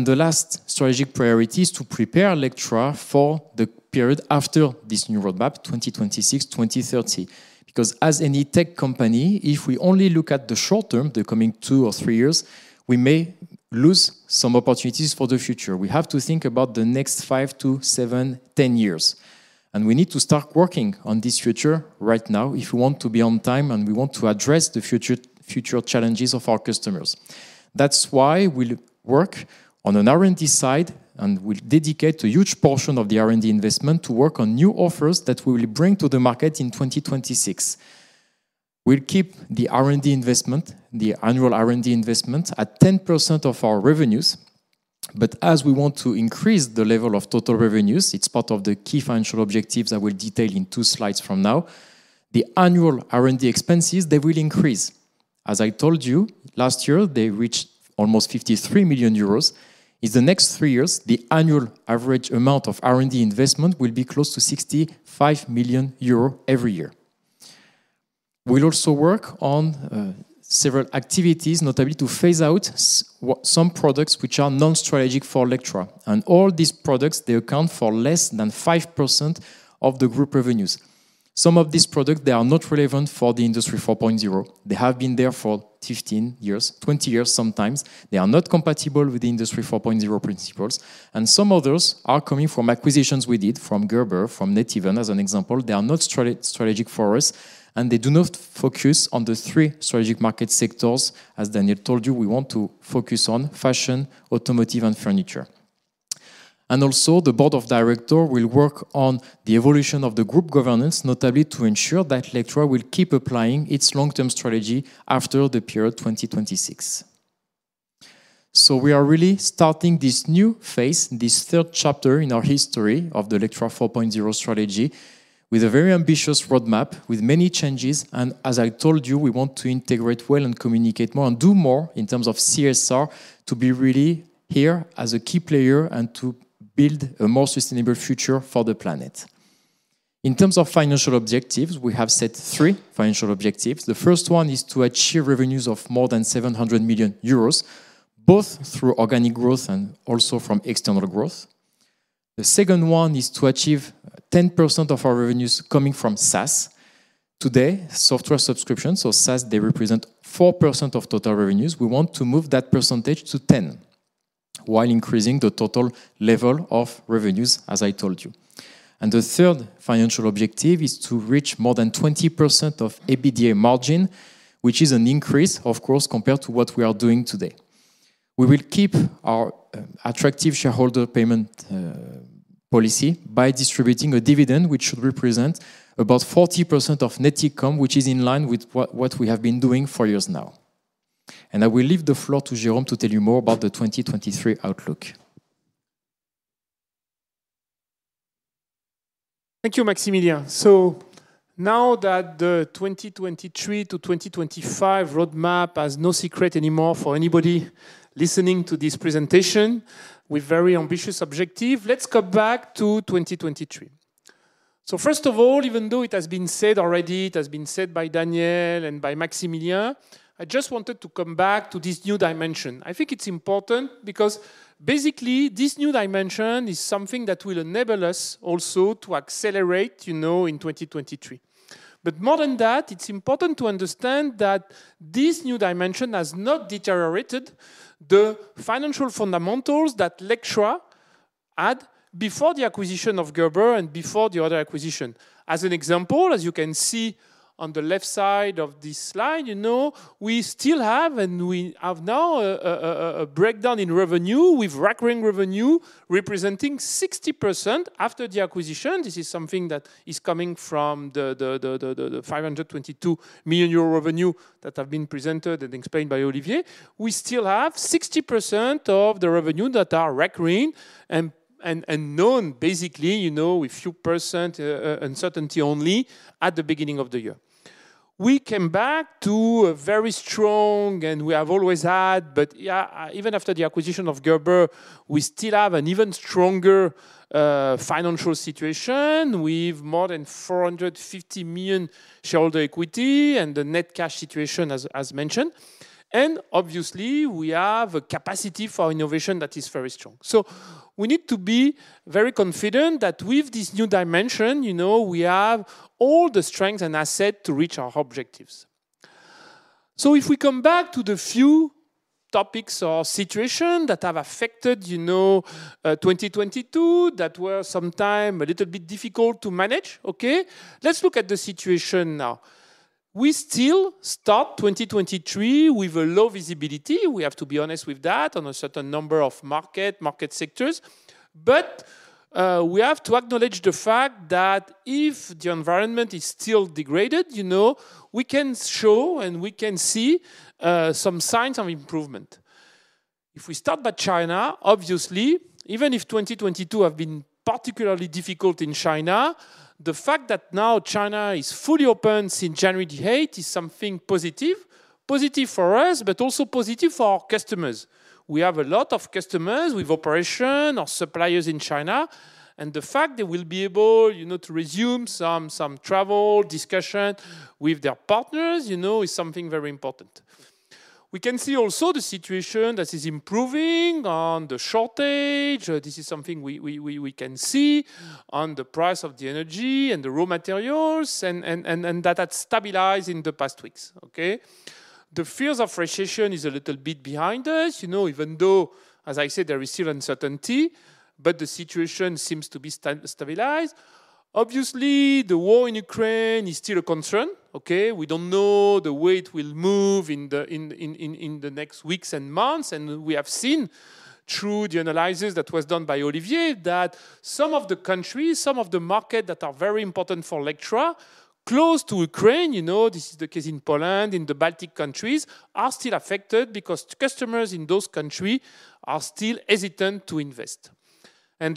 Speaker 4: The last strategic priority is to prepare Lectra for the period after this new roadmap, 2026, 2030. Because as any tech company, if we only look at the short term, the coming two or three years, we may lose some opportunities for the future. We have to think about the next five to seven, 10 years, and we need to start working on this future right now if we want to be on time and we want to address the future challenges of our customers. That's why we'll work on an R&D side, and we'll dedicate a huge portion of the R&D investment to work on new offers that we will bring to the market in 2026. We'll keep the R&D investment, the annual R&D investment at 10% of our revenues. As we want to increase the level of total revenues, it's part of the key financial objectives I will detail in two slides from now. The annual R&D expenses, they will increase. As I told you last year, they reached almost 53 million euros. In the next three years, the annual average amount of R&D investment will be close to 65 million euros every year. We'll also work on several activities, notably to phase out some products which are non-strategic for Lectra. All these products, they account for less than 5% of the group revenues. Some of these products, they are not relevant for the Industry 4.0. They have been there for 15 years, 20 years sometimes. They are not compatible with the Industry 4.0 principles, some others are coming from acquisitions we did from Gerber, from Neteven, as an example. They are not strategic for us, they do not focus on the three strategic market sectors. As Daniel told you, we want to focus on fashion, automotive, and furniture. The board of director will work on the evolution of the group governance, notably to ensure that Lectra will keep applying its long-term strategy after the period 2026. We are really starting this new phase, this third chapter in our history of the Lectra 4.0 strategy with a very ambitious roadmap, with many changes. As I told you, we want to integrate well and communicate more and do more in terms of CSR to be really here as a key player and to build a more sustainable future for the planet. In terms of financial objectives, we have set three financial objectives. The first one is to achieve revenues of more than 700 million euros, both through organic growth and also from external growth. The second one is to achieve 10% of our revenues coming from SaaS. Today, software subscription, so SaaS, they represent 4% of total revenues. We want to move that percentage to 10 while increasing the total level of revenues, as I told you. The third financial objective is to reach more than 20% of EBITDA margin, which is an increase, of course, compared to what we are doing today. We will keep our attractive shareholder payment policy by distributing a dividend, which should represent about 40% of net income, which is in line with what we have been doing for years now. I will leave the floor to Jerome to tell you more about the 2023 outlook.
Speaker 2: Thank you, Maximilien. Now that the 2023 to 2025 roadmap has no secret anymore for anybody listening to this presentation with very ambitious objective, let's go back to 2023. First of all, even though it has been said already, it has been said by Daniel and by Maximilien, I just wanted to come back to this new dimension. I think it's important because basically this new dimension is something that will enable us also to accelerate, you know, in 2023. More than that, it's important to understand that this new dimension has not deteriorated the financial fundamentals that Lectra had before the acquisition of Gerber and before the other acquisition. As an example, as you can see on the left side of this slide, you know, we still have and we have now a breakdown in revenue, with recurring revenue representing 60% after the acquisition. This is something that is coming from the 522 million euro revenue that have been presented and explained by Olivier. We still have 60% of the revenue that are recurring and known basically, you know, with few percent uncertainty only at the beginning of the year. We came back to a very strong and we have always had, but yeah, even after the acquisition of Gerber, we still have an even stronger financial situation with more than 450 million shareholder equity and the net cash situation as mentioned. Obviously we have a capacity for innovation that is very strong. We need to be very confident that with this new dimension, you know, we have all the strength and asset to reach our objectives. If we come back to the few topics or situation that have affected, you know, 2022, that were sometime a little bit difficult to manage. Okay. Let's look at the situation now. We still start 2023 with a low visibility, we have to be honest with that, on a certain number of market sectors. We have to acknowledge the fact that if the environment is still degraded, you know, we can show and we can see some signs of improvement. If we start by China, obviously, even if 2022 have been particularly difficult in China, the fact that now China is fully open since January 8th is something positive. Positive for us, but also positive for our customers. We have a lot of customers with operation or suppliers in China, and the fact they will be able, you know, to resume some travel discussion with their partners, you know, is something very important. We can see also the situation that is improving on the shortage. This is something we can see on the price of the energy and the raw materials and that had stabilized in the past weeks, okay? The fears of recession is a little bit behind us. You know, even though-As I said, there is still uncertainty, but the situation seems to be stabilized. Obviously, the war in Ukraine is still a concern, okay? We don't know the way it will move in the next weeks and months. We have seen through the analysis that was done by Olivier that some of the countries, some of the market that are very important for Lectra, close to Ukraine, you know, this is the case in Poland, in the Baltic countries, are still affected because customers in those country are still hesitant to invest.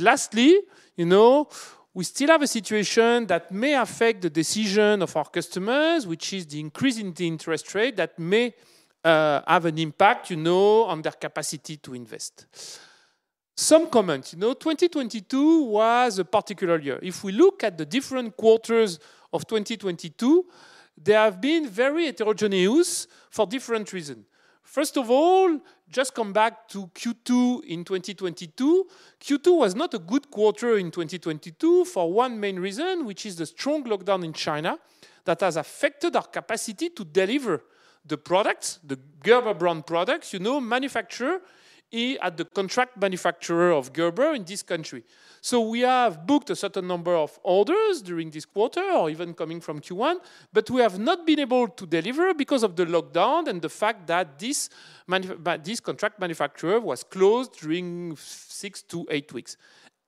Speaker 2: Lastly, you know, we still have a situation that may affect the decision of our customers, which is the increase in the interest rate that may have an impact, you know, on their capacity to invest. Some comments. You know, 2022 was a particular year. If we look at the different quarters of 2022, they have been very heterogeneous for different reason. First of all, just come back to Q2 in 2022. Q2 was not a good quarter in 2022 for one main reason, which is the strong lockdown in China that has affected our capacity to deliver the products, the Gerber brand products. You know manufacturer at the contract manufacturer of Gerber in this country. We have booked a certain number of orders during this quarter or even coming from Q1, but we have not been able to deliver because of the lockdown and the fact that this contract manufacturer was closed during six to eight weeks.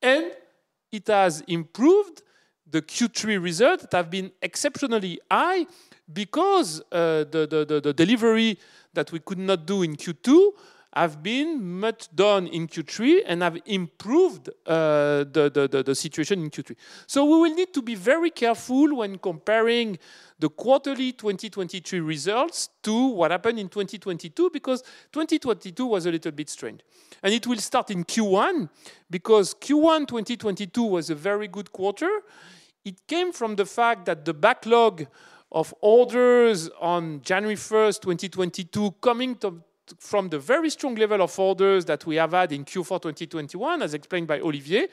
Speaker 2: It has improved the Q3 results that have been exceptionally high because the delivery that we could not do in Q2 have been much done in Q3 and have improved the situation in Q3. We will need to be very careful when comparing the quarterly 2022 results to what happened in 2022 because 2022 was a little bit strange. It will start in Q1, because Q1 2022 was a very good quarter. It came from the fact that the backlog of orders on January 1st, 2022, coming from the very strong level of orders that we have had in Q4 2021, as explained by Olivier.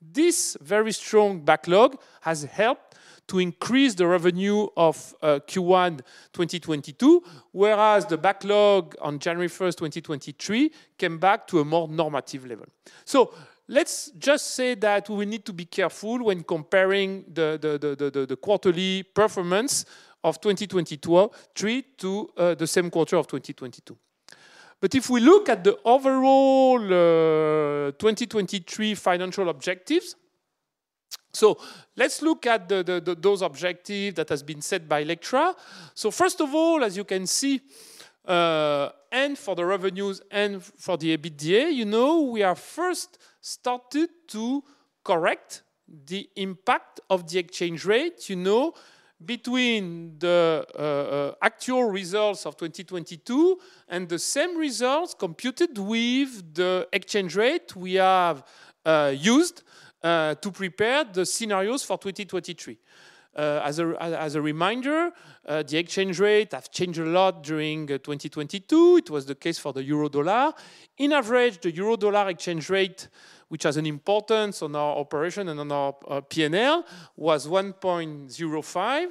Speaker 2: This very strong backlog has helped to increase the revenue of Q1 2022, whereas the backlog on January 1st, 2023, came back to a more normative level. Let's just say that we need to be careful when comparing the quarterly performance of 2023 to the same quarter of 2022. If we look at the overall 2023 financial objectives. Let's look at those objective that has been set by Lectra. First of all, as you can see, and for the revenues and for the EBITDA, you know, we are first started to correct the impact of the exchange rate, you know, between the actual results of 2022 and the same results computed with the exchange rate we have used to prepare the scenarios for 2023. As a reminder, the exchange rate have changed a lot during 2022. It was the case for the euro dollar. In average, the euro dollar exchange rate, which has an importance on our operation and on our P&L, was 1.05.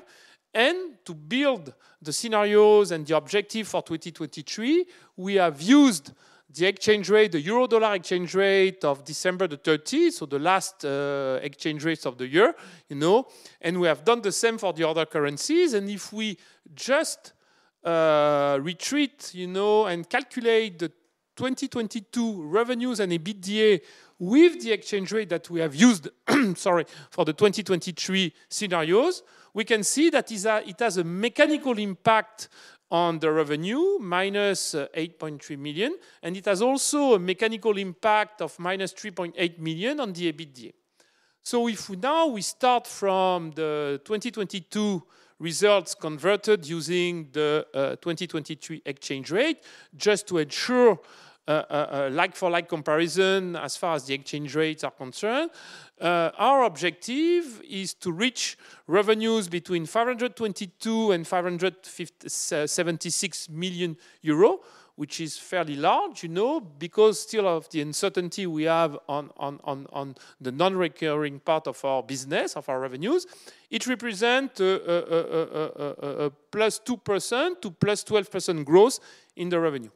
Speaker 2: To build the scenarios and the objective for 2023, we have used the exchange rate, the euro dollar exchange rate of December 30, so the last exchange rates of the year, you know. We have done the same for the other currencies. If we just retreat, you know, and calculate the 2022 revenues and EBITDA with the exchange rate that we have used, sorry, for the 2023 scenarios, we can see that it has a mechanical impact on the revenue, -8.3 million, and it has also a mechanical impact of -3.8 million on the EBITDA. If now we start from the 2022 results converted using the 2023 exchange rate just to ensure a like-for-like comparison as far as the exchange rates are concerned, our objective is to reach revenues between 522 and 576 million euro, which is fairly large, you know, because still of the uncertainty we have on the non-recurring part of our business, of our revenues. It represent a +2% to +12% growth in the revenue.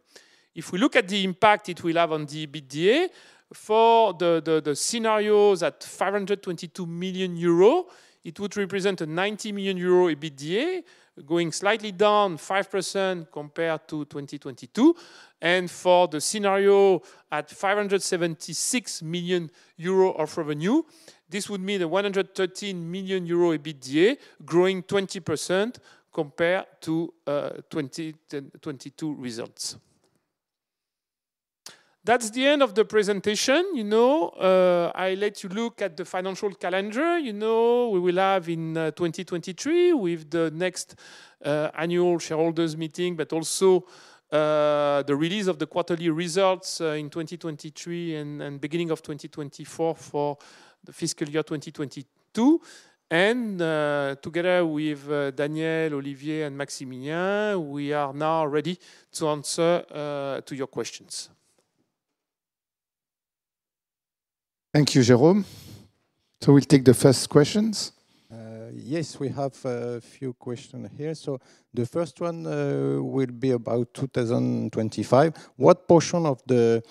Speaker 2: If we look at the impact it will have on the EBITDA for the scenarios at 522 million euro, it would represent a 90 million euro EBITDA going slightly down 5% compared to 2022. For the scenario at 576 million euro of revenue, this would mean a 113 million euro EBITDA growing 20% compared to 2022 results. That's the end of the presentation. You know, I let you look at the financial calendar. You know, we will have in 2023 with the next annual shareholders meeting, but also the release of the quarterly results in 2023 and beginning of 2024 for the fiscal year 2022. Together with Daniel, Olivier, and Maximilien, we are now ready to answer to your questions.
Speaker 3: Thank you, Jerome. We'll take the first questions. Yes, we have a few question here. The first one will be about 2025. What portion of the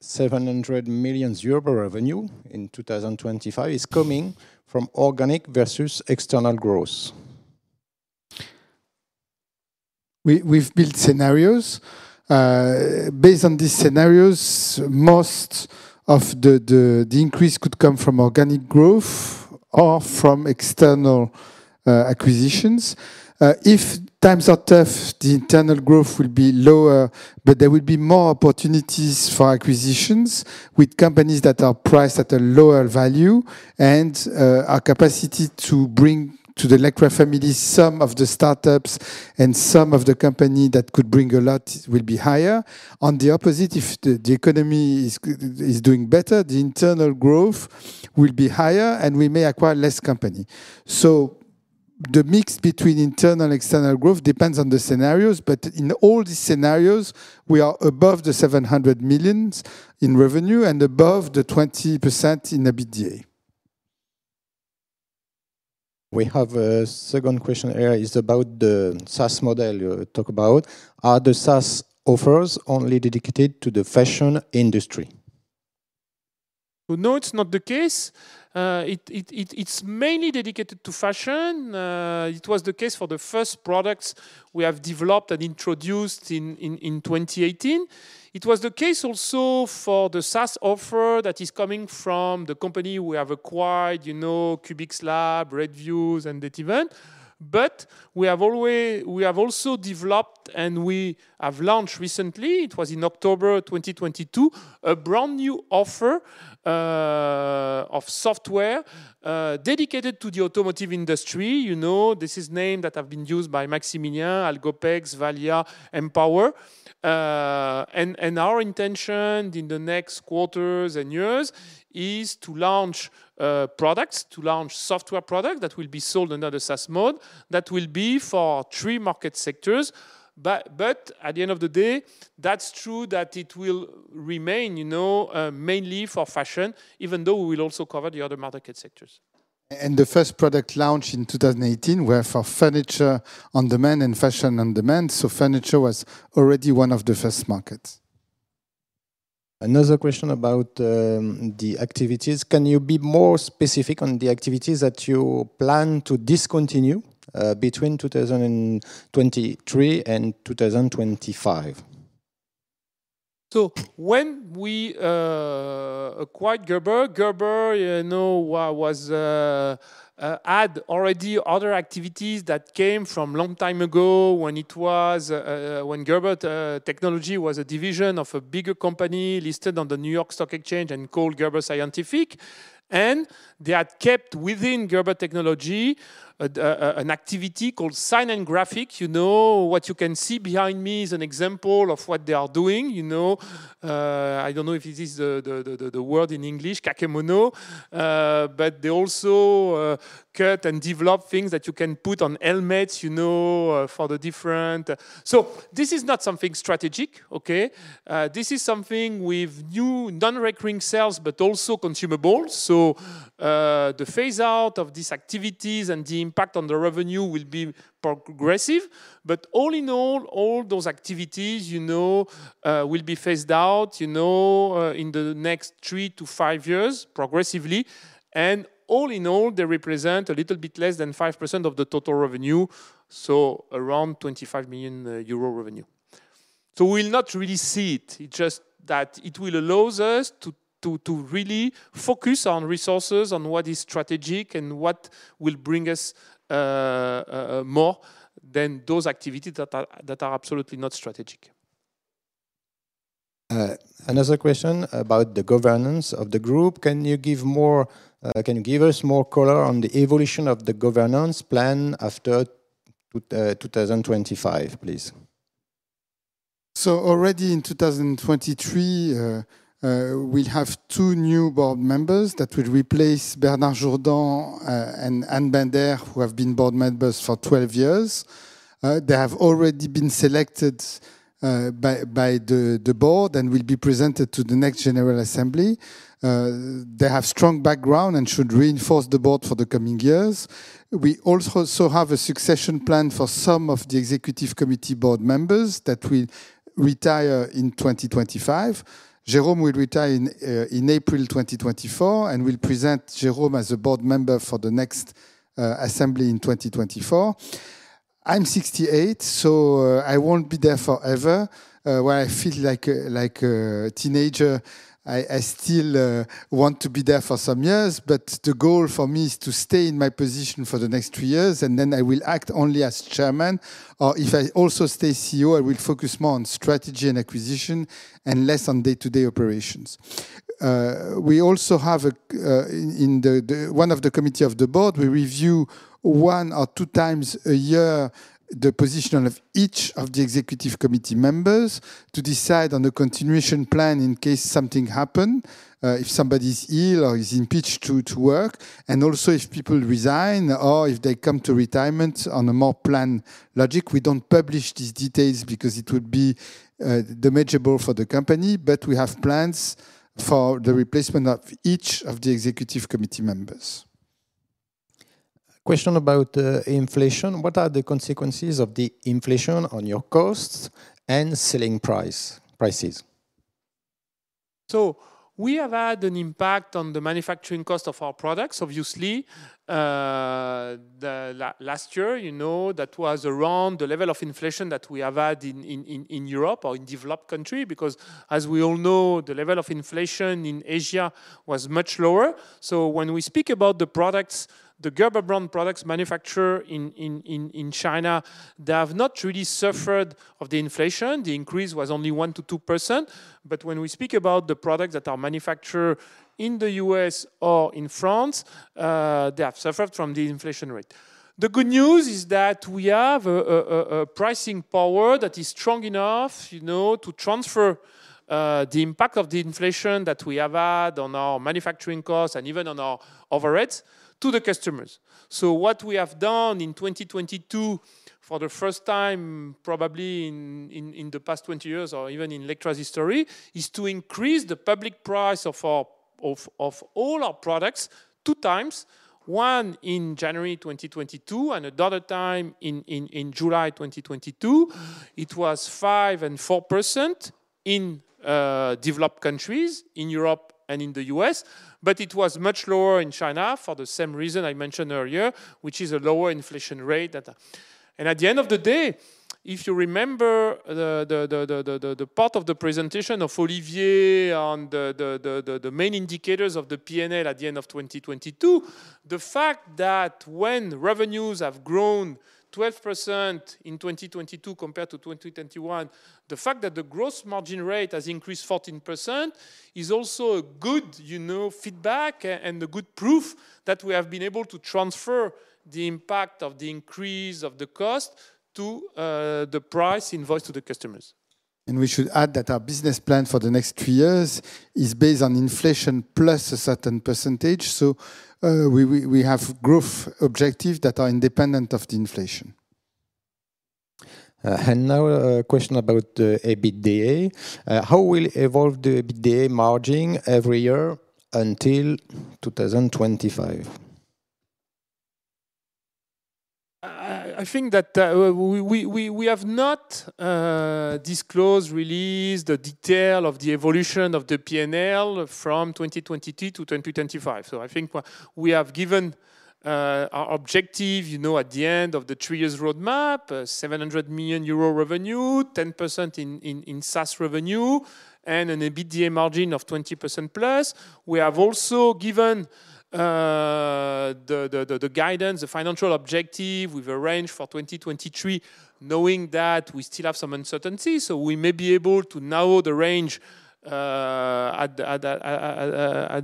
Speaker 3: 700 million euro revenue in 2025 is coming from organic versus external growth? We've built scenarios. Based on these scenarios, most of the increase could come from organic growth or from external acquisitions. If times are tough, the internal growth will be lower, but there will be more opportunities for acquisitions with companies that are priced at a lower value. Our capacity to bring to the Lectra family some of the startups and some of the company that could bring a lot will be higher. On the opposite, if the economy is doing better, the internal growth will be higher, and we may acquire less company. The mix between internal, external growth depends on the scenarios, but in all the scenarios, we are above 700 million in revenue and above 20% in EBITDA. We have a second question here. It's about the SaaS model you talk about. Are the SaaS offers only dedicated to the fashion industry?
Speaker 2: No, it's not the case. It's mainly dedicated to fashion. It was the case for the first products we have developed and introduced in 2018. It was the case also for the SaaS offer that is coming from the company we have acquired, you know, Kubix Lab, Retviews, and Neteven. We have also developed, and we have launched recently, it was in October 2022, a brand-new offer of software dedicated to the automotive industry. You know, this is name that have been used by Maximilien, Algopex, Valia, Empower. Our intention in the next quarters and years is to launch products, to launch software product that will be sold under the SaaS mode that will be for three market sectors. At the end of the day, that's true that it will remain, you know, mainly for fashion, even though we will also cover the other market sectors.
Speaker 3: The first product launch in 2018 were for Furniture On Demand and Fashion On Demand, furniture was already one of the first markets. Another question about the activities. Can you be more specific on the activities that you plan to discontinue between 2023 and 2025?
Speaker 2: When we acquired Gerber, you know, had already other activities that came from long time ago when it was when Gerber Technology was a division of a bigger company listed on the New York Stock Exchange and called Gerber Scientific. They had kept within Gerber Technology an activity called Sign and graphics. You know, what you can see behind me is an example of what they are doing. You know, I don't know if this is the word in English, kakemono. They also cut and develop things that you can put on helmets, you know, for the different... This is not something strategic, okay? This is something with new non-recurring sales, but also consumables. The phase out of these activities and the impact on the revenue will be progressive. All in all those activities, you know, will be phased out, you know, in the next three to five years progressively. All in all, they represent a little bit less than 5% of the total revenue, so around 25 million euro revenue. We'll not really see it. It's just that it will allows us to really focus on resources, on what is strategic and what will bring us more than those activities that are absolutely not strategic.
Speaker 3: Another question about the governance of the group. Can you give us more color on the evolution of the governance plan after 2025, please? Already in 2023, we have two new board members that will replace Bernard Jourdan and Anne Binder, who have been board members for 12 years. They have already been selected by the board and will be presented to the next general assembly. They have strong background and should reinforce the board for the coming years. We also have a succession plan for some of the executive committee board members that will retire in 2025. Jerome will retire in April 2024, and we'll present Jerome as a board member for the next assembly in 2024. I'm 68, I won't be there forever. Well, I feel like a teenager. I still want to be there for some years. The goal for me is to stay in my position for the next two years, and then I will act only as chairman. If I also stay CEO, I will focus more on strategy and acquisition and less on day-to-day operations. We also have in one of the committee of the board, we review one or two times a year the position of each of the executive committee members to decide on the continuation plan in case something happen, if somebody's ill or is impeached to work. Also if people resign or if they come to retirement on a more planned logic. We don't publish these details because it would be damageable for the company, but we have plans for the replacement of each of the executive committee members. Question about inflation. What are the consequences of the inflation on your costs and selling prices?
Speaker 2: We have had an impact on the manufacturing cost of our products. Obviously, last year, you know, that was around the level of inflation that we have had in Europe or in developed country, because as we all know, the level of inflation in Asia was much lower. When we speak about the products, the Gerber brand products manufacture in China, they have not really suffered of the inflation. The increase was only 1%-2%. When we speak about the products that are manufacture in the U.S. or in France, they have suffered from the inflation rate. The good news is that we have a pricing power that is strong enough, you know, to transfer the impact of the inflation that we have had on our manufacturing costs and even on our overheads to the customers. What we have done in 2022, for the first time probably in the past 20 years or even in Lectra's history, is to increase the public price of all our products two times, one in January 2022 and another time in July 2022. It was 5% and 4% in developed countries in Europe and in the U.S., it was much lower in China for the same reason I mentioned earlier, which is a lower inflation rate. At the end of the day, if you remember the part of the presentation of Olivier on the main indicators of the P&L at the end of 2022, the fact that when revenues have grown 12% in 2022 compared to 2021, the fact that the gross margin rate has increased 14% is also a good, you know, feedback and a good proof that we have been able to transfer the impact of the increase of the cost to the price invoice to the customers.
Speaker 1: We should add that our business plan for the next three years is based on inflation plus a certain percentage. We have growth objective that are independent of the inflation.
Speaker 5: Now a question about the EBITDA. How will evolve the EBITDA margin every year until 2025?
Speaker 2: I think that we have not disclosed, released the detail of the evolution of the P&L from 2022 to 2025. I think we have given our objective, you know, at the end of the three-years roadmap, 700 million euro revenue, 10% in SaaS revenue, and an EBITDA margin of 20%+. We have also given the guidance, the financial objective with a range for 2023, knowing that we still have some uncertainty, we may be able to narrow the range at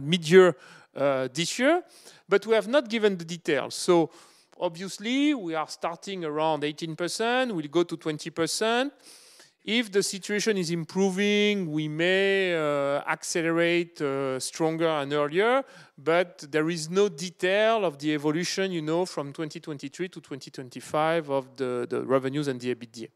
Speaker 2: midyear this year. We have not given the details. Obviously we are starting around 18%. We'll go to 20%. If the situation is improving, we may accelerate stronger and earlier, but there is no detail of the evolution, you know, from 2023 to 2025 of the revenues and the EBITDA.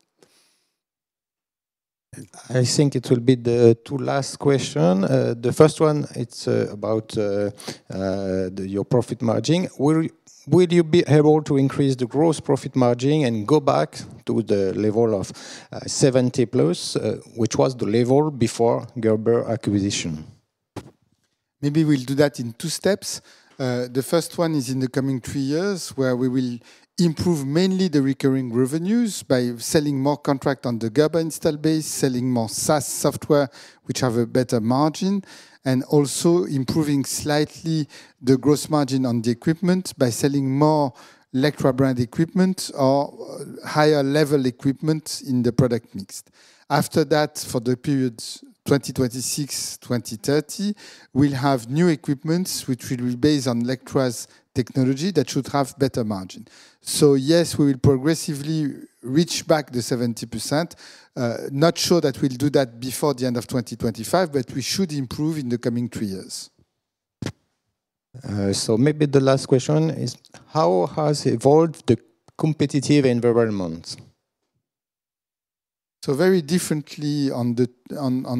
Speaker 5: I think it will be the two last question. The first one, it's about the, your profit margin. Will you be able to increase the gross profit margin and go back to the level of 70+, which was the level before Gerber acquisition?
Speaker 3: We'll do that in two steps. The first one is in the coming three years, where we will improve mainly the recurring revenues by selling more contract on the Gerber install base, selling more SaaS software, which have a better margin, and also improving slightly the gross margin on the equipment by selling more Lectra brand equipment or higher-level equipment in the product mix. For the periods 2026, 2030, we'll have new equipments which will be based on Lectra's technology that should have better margin. Yes, we will progressively reach back the 70%. Not sure that we'll do that before the end of 2025, we should improve in the coming three years.
Speaker 5: Maybe the last question is how has evolved the competitive environment?
Speaker 3: Very differently on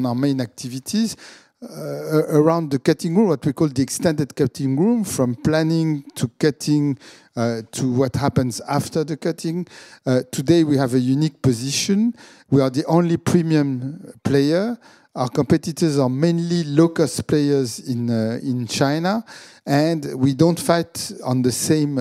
Speaker 3: our main activities. Around the cutting room, what we call the extended cutting room, from planning to cutting, to what happens after the cutting, today we have a unique position. We are the only premium player. Our competitors are mainly low-cost players in China. We don't fight on the same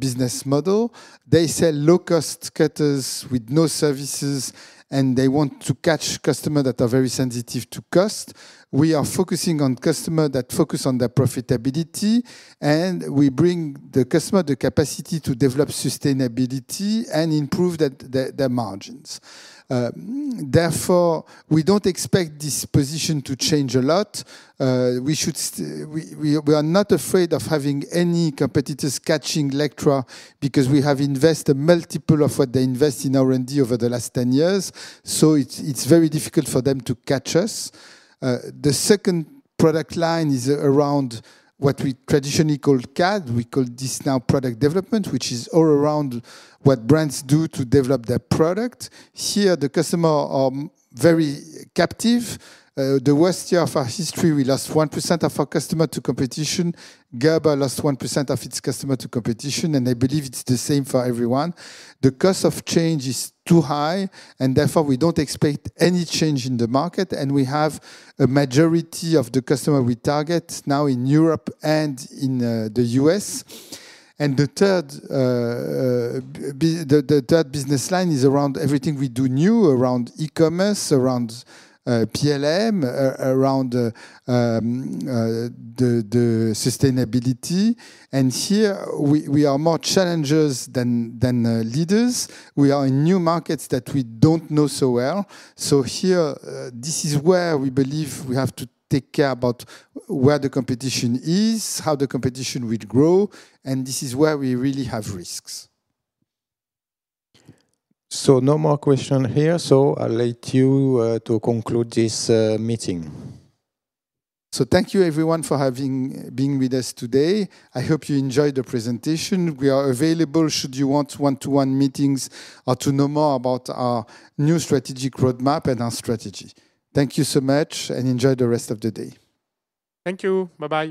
Speaker 3: business model. They sell low-cost cutters with no services, and they want to catch customer that are very sensitive to cost. We are focusing on customer that focus on their profitability. We bring the customer the capacity to develop sustainability and improve their margins. Therefore, we don't expect this position to change a lot. We are not afraid of having any competitors catching Lectra because we have invest a multiple of what they invest in R&D over the last 10 years. It's very difficult for them to catch us. The second product line is around what we traditionally call CAD. We call this now product development, which is all around what brands do to develop their product. Here, the customer are very captive. The worst year of our history, we lost 1% of our customer to competition. Gerber lost 1% of its customer to competition, and I believe it's the same for everyone. The cost of change is too high, and therefore we don't expect any change in the market, and we have a majority of the customer we target now in Europe and in the U.S. The third business line is around everything we do new, around e-commerce, around PLM, around the sustainability. Here we are more challengers than leaders. We are in new markets that we don't know so well. Here, this is where we believe we have to take care about where the competition is, how the competition will grow, and this is where we really have risks. No more question here, so I'll let you to conclude this meeting. Thank you, everyone, for being with us today. I hope you enjoyed the presentation. We are available should you want one-to-one meetings or to know more about our new strategic roadmap and our strategy. Thank you so much, and enjoy the rest of the day.
Speaker 2: Thank you. Bye-bye.